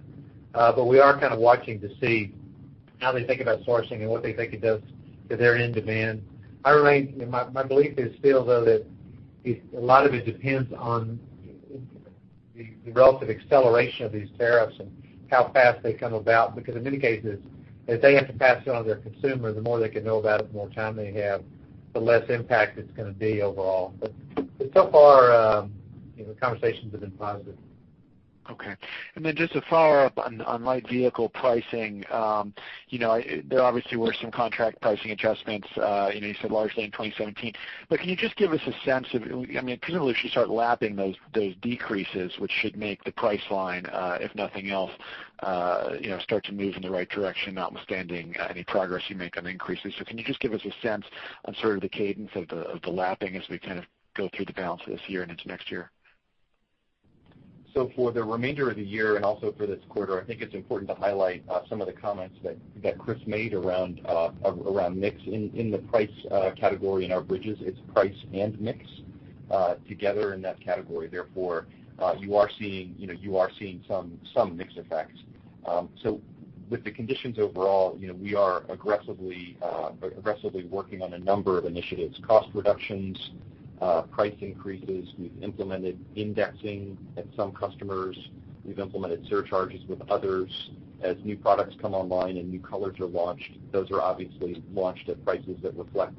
We are kind of watching to see how they think about sourcing and what they think it does to their end demand. My belief is still, though, that a lot of it depends on the relative acceleration of these tariffs and how fast they come about, because in many cases, if they have to pass it on to their consumer, the more they can know about it, the more time they have, the less impact it's going to be overall. So far, the conversations have been positive. Okay. To follow up on light vehicle pricing. There obviously were some contract pricing adjustments, you said largely in 2017. Can you just give us a sense of, presumably as you start lapping those decreases, which should make the price line, if nothing else, start to move in the right direction, notwithstanding any progress you make on increases. Can you just give us a sense on sort of the cadence of the lapping as we kind of go through the balance of this year and into next year? For the remainder of the year, also for this quarter, I think it's important to highlight some of the comments that Chris made around mix in the price category in our bridges. It's price and mix together in that category. Therefore, you are seeing some mix effects. With the conditions overall, we are aggressively working on a number of initiatives. Cost reductions, price increases. We've implemented indexing at some customers. We've implemented surcharges with others. As new products come online and new colors are launched, those are obviously launched at prices that reflect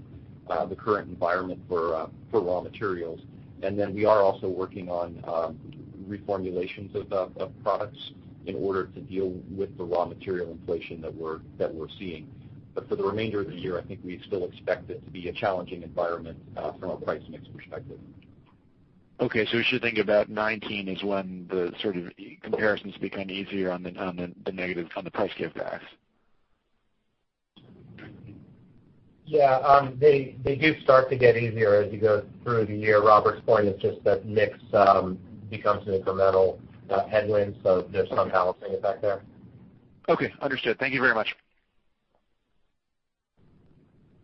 the current environment for raw materials. We are also working on reformulations of products in order to deal with the raw material inflation that we're seeing. For the remainder of the year, I think we still expect it to be a challenging environment from a price mix perspective. We should think about 2019 as when the sort of comparisons become easier on the negative, on the price givebacks. They do start to get easier as you go through the year. Robert's point is just that mix becomes an incremental headwind, so there's some balancing effect there. Understood. Thank you very much.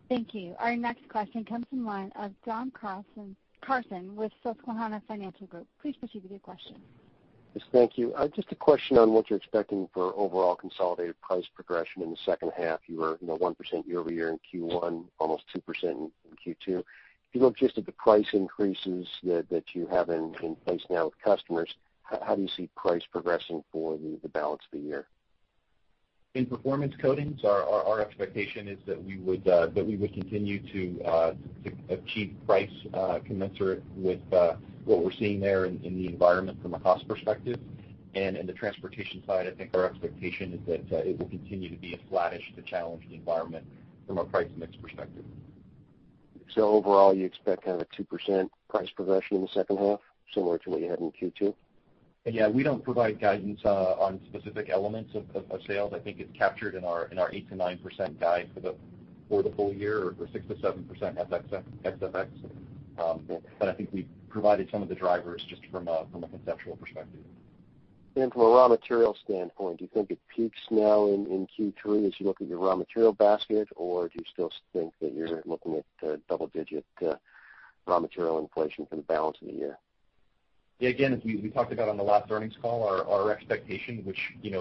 Thank you. Our next question comes from the line of John Carson with Susquehanna Financial Group. Please proceed with your question. Yes, thank you. Just a question on what you're expecting for overall consolidated price progression in the second half. You were 1% year-over-year in Q1, almost 2% in Q2. If you look just at the price increases that you have in place now with customers, how do you see price progressing for the balance of the year? In Performance Coatings, our expectation is that we would continue to achieve price commensurate with what we're seeing there in the environment from a cost perspective. In the Transportation side, I think our expectation is that it will continue to be a flattish to challenged environment from a price mix perspective. Overall, you expect kind of a 2% price progression in the second half, similar to what you had in Q2? Yeah. We don't provide guidance on specific elements of sales. I think it's captured in our 8%-9% guide for the full year, or 6%-7% FX. I think we've provided some of the drivers just from a conceptual perspective. From a raw material standpoint, do you think it peaks now in Q3 as you look at your raw material basket, or do you still think that you're looking at double-digit raw material inflation for the balance of the year? Again, as we talked about on the last earnings call, our expectation, which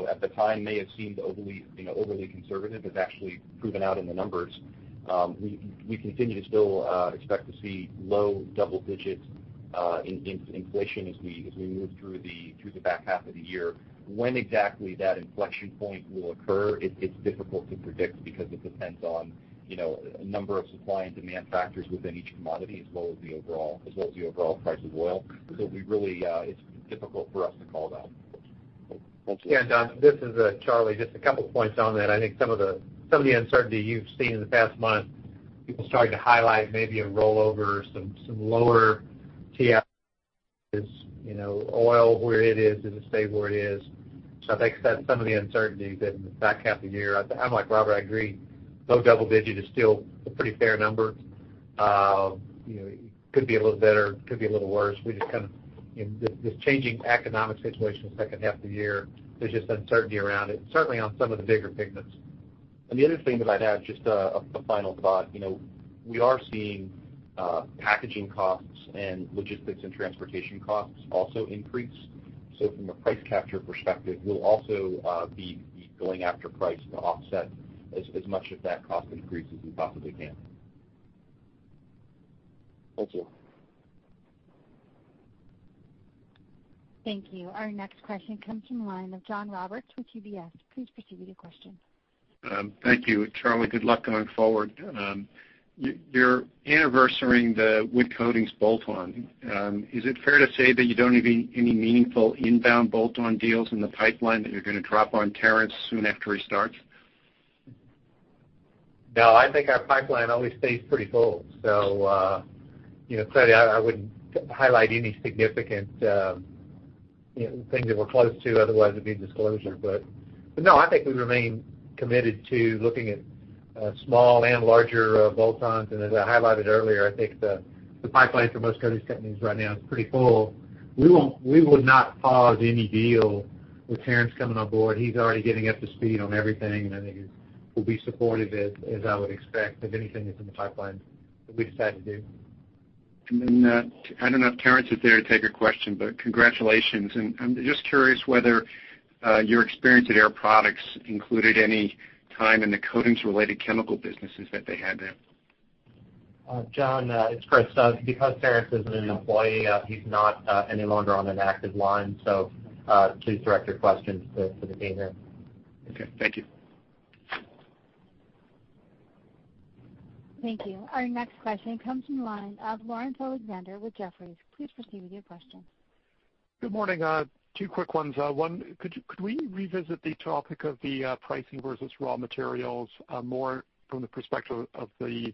at the time may have seemed overly conservative, has actually proven out in the numbers. We continue to still expect to see low double digits inflation as we move through the back half of the year. When exactly that inflection point will occur, it's difficult to predict because it depends on a number of supply and demand factors within each commodity, as well as the overall price of oil. It's difficult for us to call that. Okay. Thanks. John, this is Charlie. Just a couple points on that. I think some of the uncertainty you've seen in the past month, people starting to highlight maybe a rollover or some lower TiO2, is oil where it is and the state where it is. I think that's some of the uncertainty that in the back half of the year. I'm like Robert, I agree, low double-digit is still a pretty fair number. Could be a little better, could be a little worse. This changing economic situation in the second half of the year, there's just uncertainty around it, certainly on some of the bigger pigments. The other thing that I'd add, just a final thought. We are seeing packaging costs and logistics and transportation costs also increase. From a price capture perspective, we'll also be going after price to offset as much of that cost increase as we possibly can. Thank you. Thank you. Our next question comes from the line of John Roberts with UBS. Please proceed with your question. Thank you. Charlie, good luck going forward. You're anniversarying the wood coatings bolt-on. Is it fair to say that you don't have any meaningful inbound bolt-on deals in the pipeline that you're going to drop on Terrence soon after he starts? No, I think our pipeline always stays pretty full. Clearly I wouldn't highlight any significant things that we're close to, otherwise it'd be disclosure. No, I think we remain committed to looking at small and larger bolt-ons. As I highlighted earlier, I think the pipeline for most coatings companies right now is pretty full. We will not pause any deal with Terrence coming on board. He's already getting up to speed on everything, and I think he will be supportive, as I would expect, of anything that's in the pipeline that we decide to do. I don't know if Terrence is there to take a question, but congratulations. I'm just curious whether your experience at Air Products included any time in the coatings-related chemical businesses that they had there. John, it's Chris. Because Terrence is an employee, he's not any longer on an active line, so please direct your questions to the team here. Okay. Thank you. Thank you. Our next question comes from the line of Laurence Alexander with Jefferies. Please proceed with your question. Good morning. Two quick ones. One, could we revisit the topic of the pricing versus raw materials, more from the perspective of the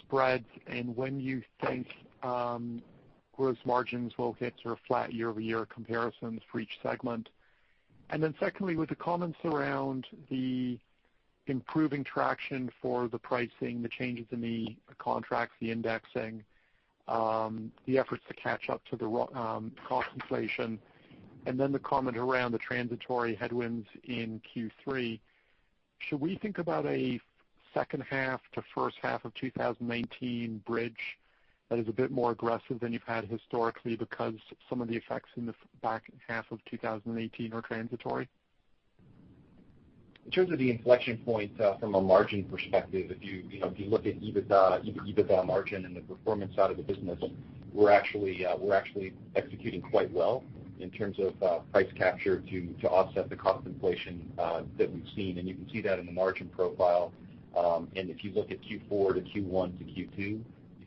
spreads and when you think gross margins will hit sort of flat year-over-year comparisons for each segment? Secondly, with the comments around the improving traction for the pricing, the changes in the contracts, the indexing, the efforts to catch up to the cost inflation, and then the comment around the transitory headwinds in Q3, should we think about a second half to first half of 2019 bridge that is a bit more aggressive than you've had historically because some of the effects in the back half of 2018 are transitory? In terms of the inflection point from a margin perspective, if you look at EBITDA margin and the Performance side of the business, we're actually executing quite well in terms of price capture to offset the cost inflation that we've seen. You can see that in the margin profile. If you look at Q4 to Q1 to Q2, you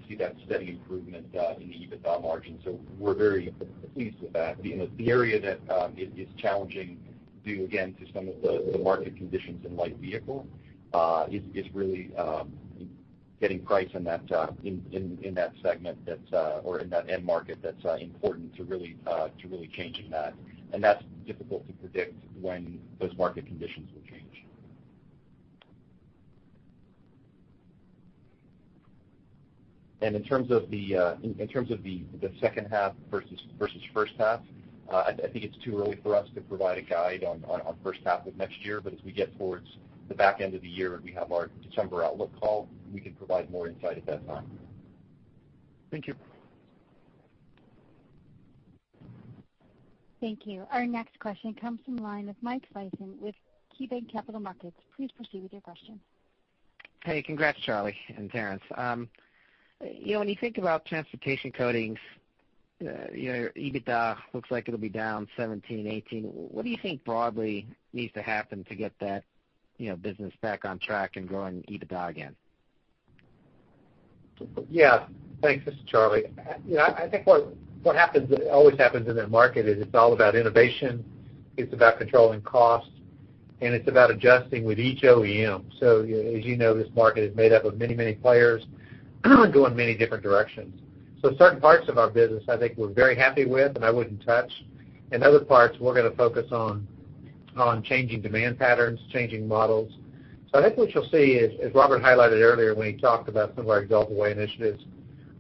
see that steady improvement in the EBITDA margin. We're very pleased with that. The area that is challenging due, again, to some of the market conditions in light vehicle, is really getting price in that segment or in that end market that's important to really changing that. That's difficult to predict when those market conditions will change. In terms of the second half versus first half, I think it's too early for us to provide a guide on first half of next year. As we get towards the back end of the year and we have our December outlook call, we can provide more insight at that time. Thank you. Thank you. Our next question comes from the line of Michael Sison with KeyBanc Capital Markets. Please proceed with your question. Hey, congrats, Charlie and Terrence. When you think about Transportation Coatings, your EBITDA looks like it'll be down 17%-18%. What do you think broadly needs to happen to get that business back on track and growing EBITDA again? Thanks. This is Charles. I think what always happens in that market is it's all about innovation, it's about controlling costs, and it's about adjusting with each OEM. As you know, this market is made up of many players going many different directions. Certain parts of our business, I think we're very happy with and I wouldn't touch. In other parts, we're going to focus on changing demand patterns, changing models. I think what you'll see is, as Robert highlighted earlier when he talked about some of our Axalta Way initiatives,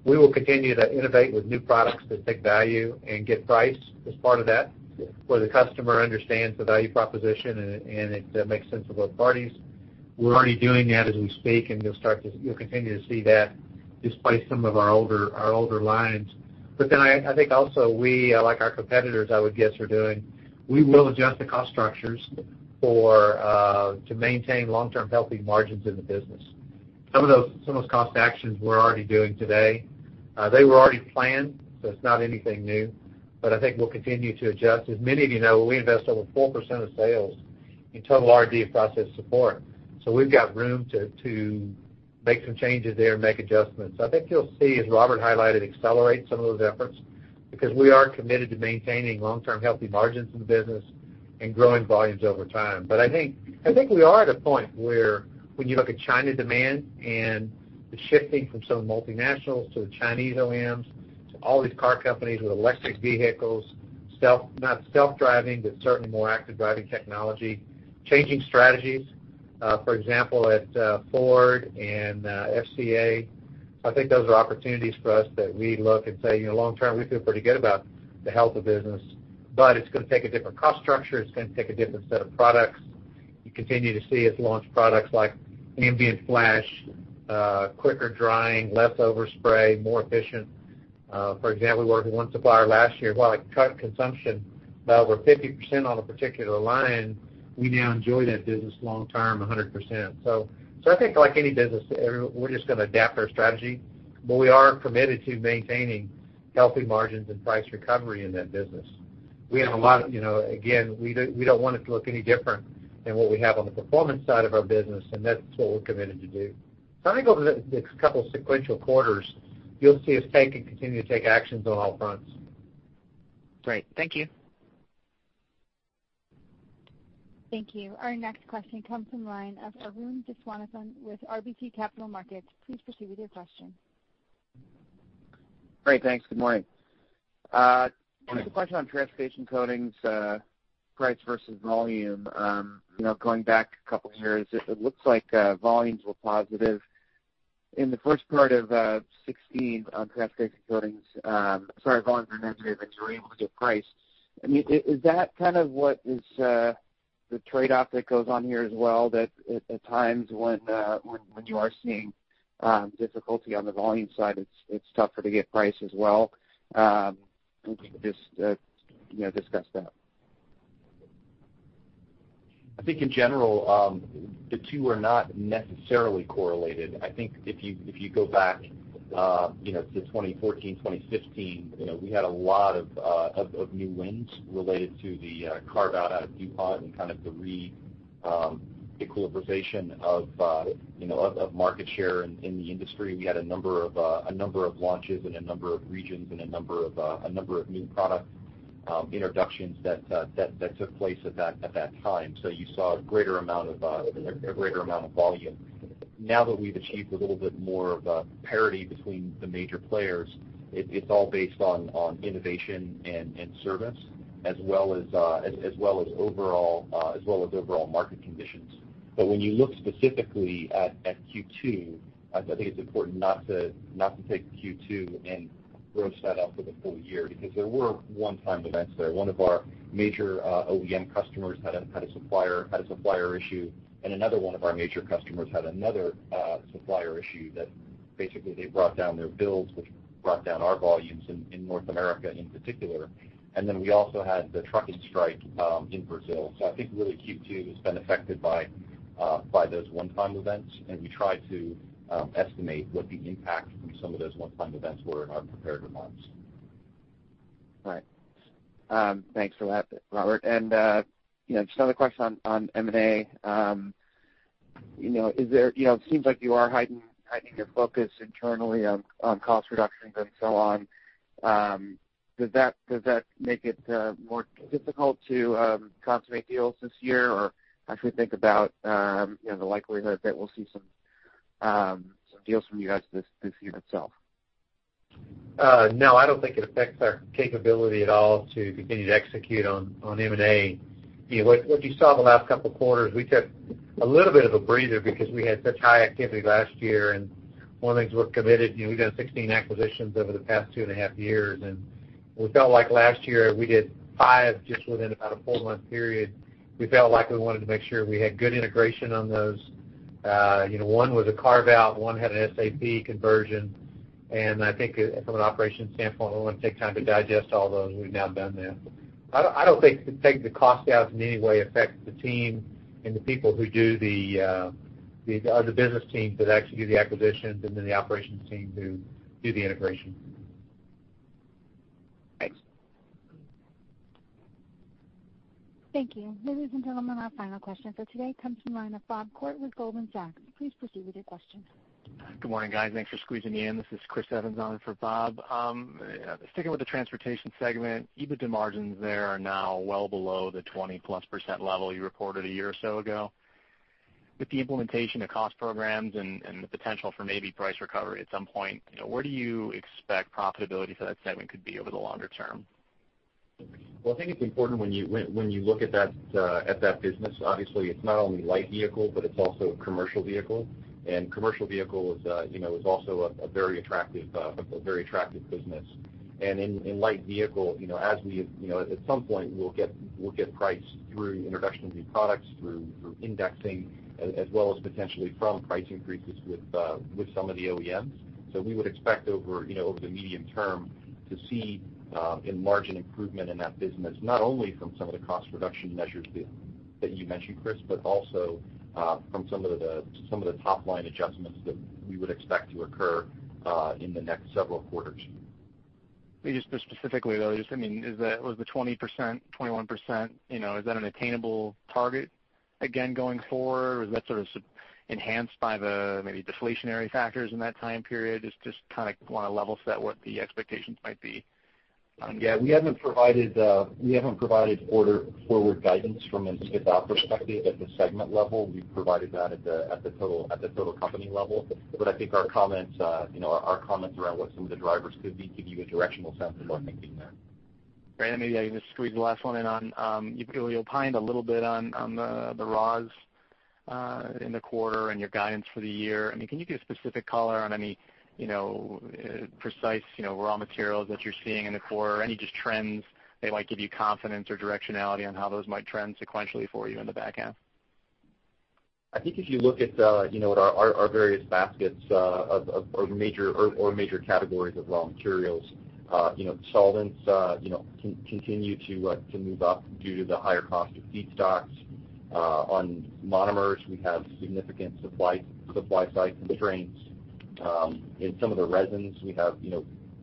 we will continue to innovate with new products that take value and get price as part of that, where the customer understands the value proposition and it makes sense for both parties. We're already doing that as we speak, and you'll continue to see that displace some of our older lines. I think also we, like our competitors, I would guess, are doing, we will adjust the cost structures to maintain long-term healthy margins in the business. Some of those cost actions we're already doing today. They were already planned, it's not anything new. I think we'll continue to adjust. As many of you know, we invest over 4% of sales in total R&D process support. We've got room to make some changes there and make adjustments. I think you'll see, as Robert highlighted, accelerate some of those efforts because we are committed to maintaining long-term healthy margins in the business and growing volumes over time. I think we are at a point where when you look at China demand and the shifting from some multinationals to the Chinese OEMs to all these car companies with electric vehicles, not self-driving, but certainly more active driving technology, changing strategies, for example, at Ford and FCA. I think those are opportunities for us that we look and say, long term, we feel pretty good about the health of business. It's going to take a different cost structure. It's going to take a different set of products. You continue to see us launch products like Ambient Flash, quicker drying, less overspray, more efficient. For example, we worked with one supplier last year who cut consumption by over 50% on a particular line. We now enjoy that business long term 100%. I think like any business, we're just going to adapt our strategy. We are committed to maintaining healthy margins and price recovery in that business. Again, we don't want it to look any different than what we have on the Performance side of our business, and that's what we're committed to do. I think over the next couple sequential quarters, you'll see us take and continue to take actions on all fronts. Great. Thank you. Thank you. Our next question comes from the line of Arun Viswanathan with RBC Capital Markets. Please proceed with your question. Great. Thanks. Good morning. Good morning. Just a question on Transportation Coatings, price versus volume. Going back a couple of years, it looks like volumes were positive. In the first part of 2016 on Transportation Coatings, sorry, volumes were negative, and you were able to get price. Is that kind of what is the trade-off that goes on here as well, that at times when you are seeing difficulty on the volume side, it's tougher to get price as well? If you could just discuss that. I think in general, the two are not necessarily correlated. I think if you go back to 2014, 2015, we had a lot of new wins related to the carve-out at DuPont and kind of the re-equilibration of market share in the industry. We had a number of launches in a number of regions and a number of new product introductions that took place at that time. You saw a greater amount of volume. Now that we've achieved a little bit more of a parity between the major players, it's all based on innovation and service, as well as overall market conditions. When you look specifically at Q2, I think it's important not to take Q2 and gross that out for the full year, because there were one-time events there. One of our major OEM customers had a supplier issue, and another one of our major customers had another supplier issue that basically they brought down their builds, which brought down our volumes in North America in particular. We also had the trucking strike in Brazil. I think really Q2 has been affected by those one-time events, and we try to estimate what the impact from some of those one-time events were in our prepared remarks. Right. Thanks for that, Robert. Just another question on M&A. It seems like you are heightening your focus internally on cost reductions and so on. Does that make it more difficult to consummate deals this year? How should we think about the likelihood that we'll see some deals from you guys this year itself? No, I don't think it affects our capability at all to continue to execute on M&A. What you saw the last couple of quarters, we took a little bit of a breather because we had such high activity last year, and one of the things we're committed to, we've done 16 acquisitions over the past two and a half years, and we felt like last year we did five just within about a four-month period. We felt like we wanted to make sure we had good integration on those. One was a carve-out, one had an SAP conversion, and I think from an operations standpoint, we wanted to take time to digest all those. We've now done that. I don't think the cost out in any way affects the team and the people who do the other business teams that actually do the acquisitions and then the operations team who do the integration. Thanks. Thank you. Ladies and gentlemen, our final question for today comes from the line of Bob Koort with Goldman Sachs. Please proceed with your question. Good morning, guys. Thanks for squeezing me in. This is Christopher Evans on for Bob. Sticking with the Transportation segment, EBITDA margins there are now well below the 20-plus % level you reported a year or so ago. With the implementation of cost programs and the potential for maybe price recovery at some point, where do you expect profitability for that segment could be over the longer term? I think it's important when you look at that business, obviously, it's not only light vehicle, but it's also commercial vehicle, and commercial vehicle is also a very attractive business. In light vehicle, at some point we'll get price through introduction of new products, through indexing, as well as potentially from price increases with some of the OEMs. We would expect over the medium term to see a margin improvement in that business, not only from some of the cost reduction measures that you mentioned, Chris, but also from some of the top-line adjustments that we would expect to occur in the next several quarters. Just specifically, though, was the 20%-21%, is that an attainable target again going forward? Was that sort of enhanced by the maybe deflationary factors in that time period? Just kind of want to level set what the expectations might be. We haven't provided forward guidance from an EBITDA perspective at the segment level. We've provided that at the total company level. I think our comments around what some of the drivers could be give you a directional sense of our thinking there. Great. Maybe I can just squeeze the last one in on. You opined a little bit on the raws in the quarter and your guidance for the year. Can you give specific color on any precise raw materials that you're seeing in the quarter? Any just trends that might give you confidence or directionality on how those might trend sequentially for you in the back half? I think if you look at our various baskets or major categories of raw materials, solvents continue to move up due to the higher cost of feedstocks. On monomers, we have significant supply side constraints. In some of the resins, we have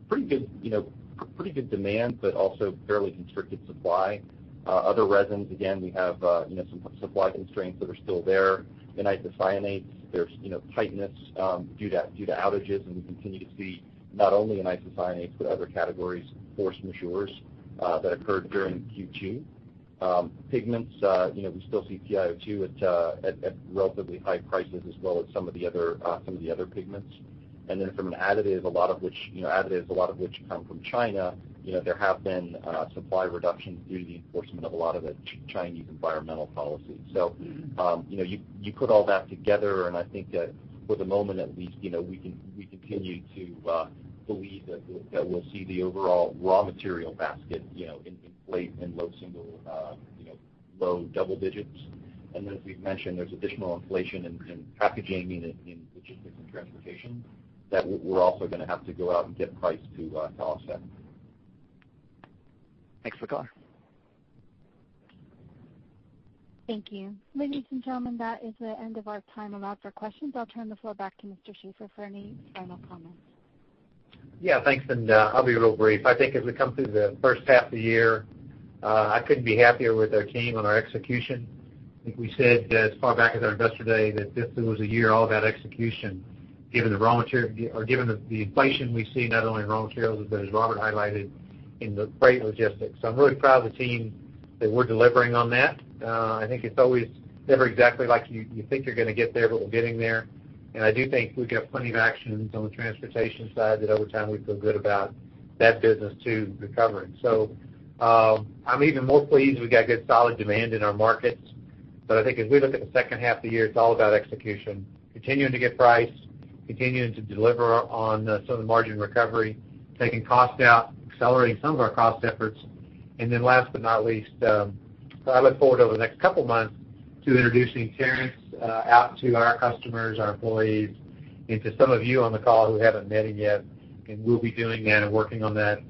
pretty good demand, but also fairly constricted supply. Other resins, again, we have some supply constraints that are still there. In isocyanates, there's tightness due to outages, and we continue to see not only in isocyanates, but other categories, force majeurs that occurred during Q2. Pigments, we still see TiO2 at relatively high prices as well as some of the other pigments. From an additive, a lot of which come from China, there have been supply reductions due to the enforcement of a lot of the Chinese environmental policies. You put all that together, and I think that for the moment at least, we continue to believe that we'll see the overall raw material basket inflate in low double digits. As we've mentioned, there's additional inflation in packaging, in logistics and transportation that we're also going to have to go out and get price to offset. Thanks, Sankar. Thank you. Ladies and gentlemen, that is the end of our time allowed for questions. I'll turn the floor back to Mr. Shaver for any final comments. Thanks, I'll be real brief. I think as we come through the first half of the year, I couldn't be happier with our team on our execution. I think we said as far back as our investor day that this was a year all about execution, given the inflation we've seen not only in raw materials, but as Robert highlighted, in the freight logistics. I'm really proud of the team that we're delivering on that. I think it's always never exactly like you think you're going to get there, but we're getting there. I do think we've got plenty of actions on the transportation side that over time we feel good about that business too, recovering. I'm even more pleased we got good solid demand in our markets. I think as we look at the second half of the year, it's all about execution, continuing to get price, continuing to deliver on some of the margin recovery, taking cost out, accelerating some of our cost efforts. Last but not least, I look forward over the next couple of months to introducing Terrence out to our customers, our employees, and to some of you on the call who haven't met him yet. We'll be doing that and working on that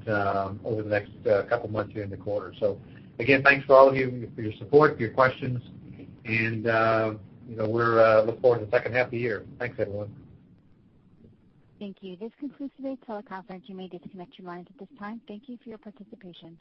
over the next couple of months here in the quarter. Again, thanks to all of you for your support, your questions, and we look forward to the second half of the year. Thanks, everyone. Thank you. This concludes today's teleconference. You may disconnect your lines at this time. Thank you for your participation.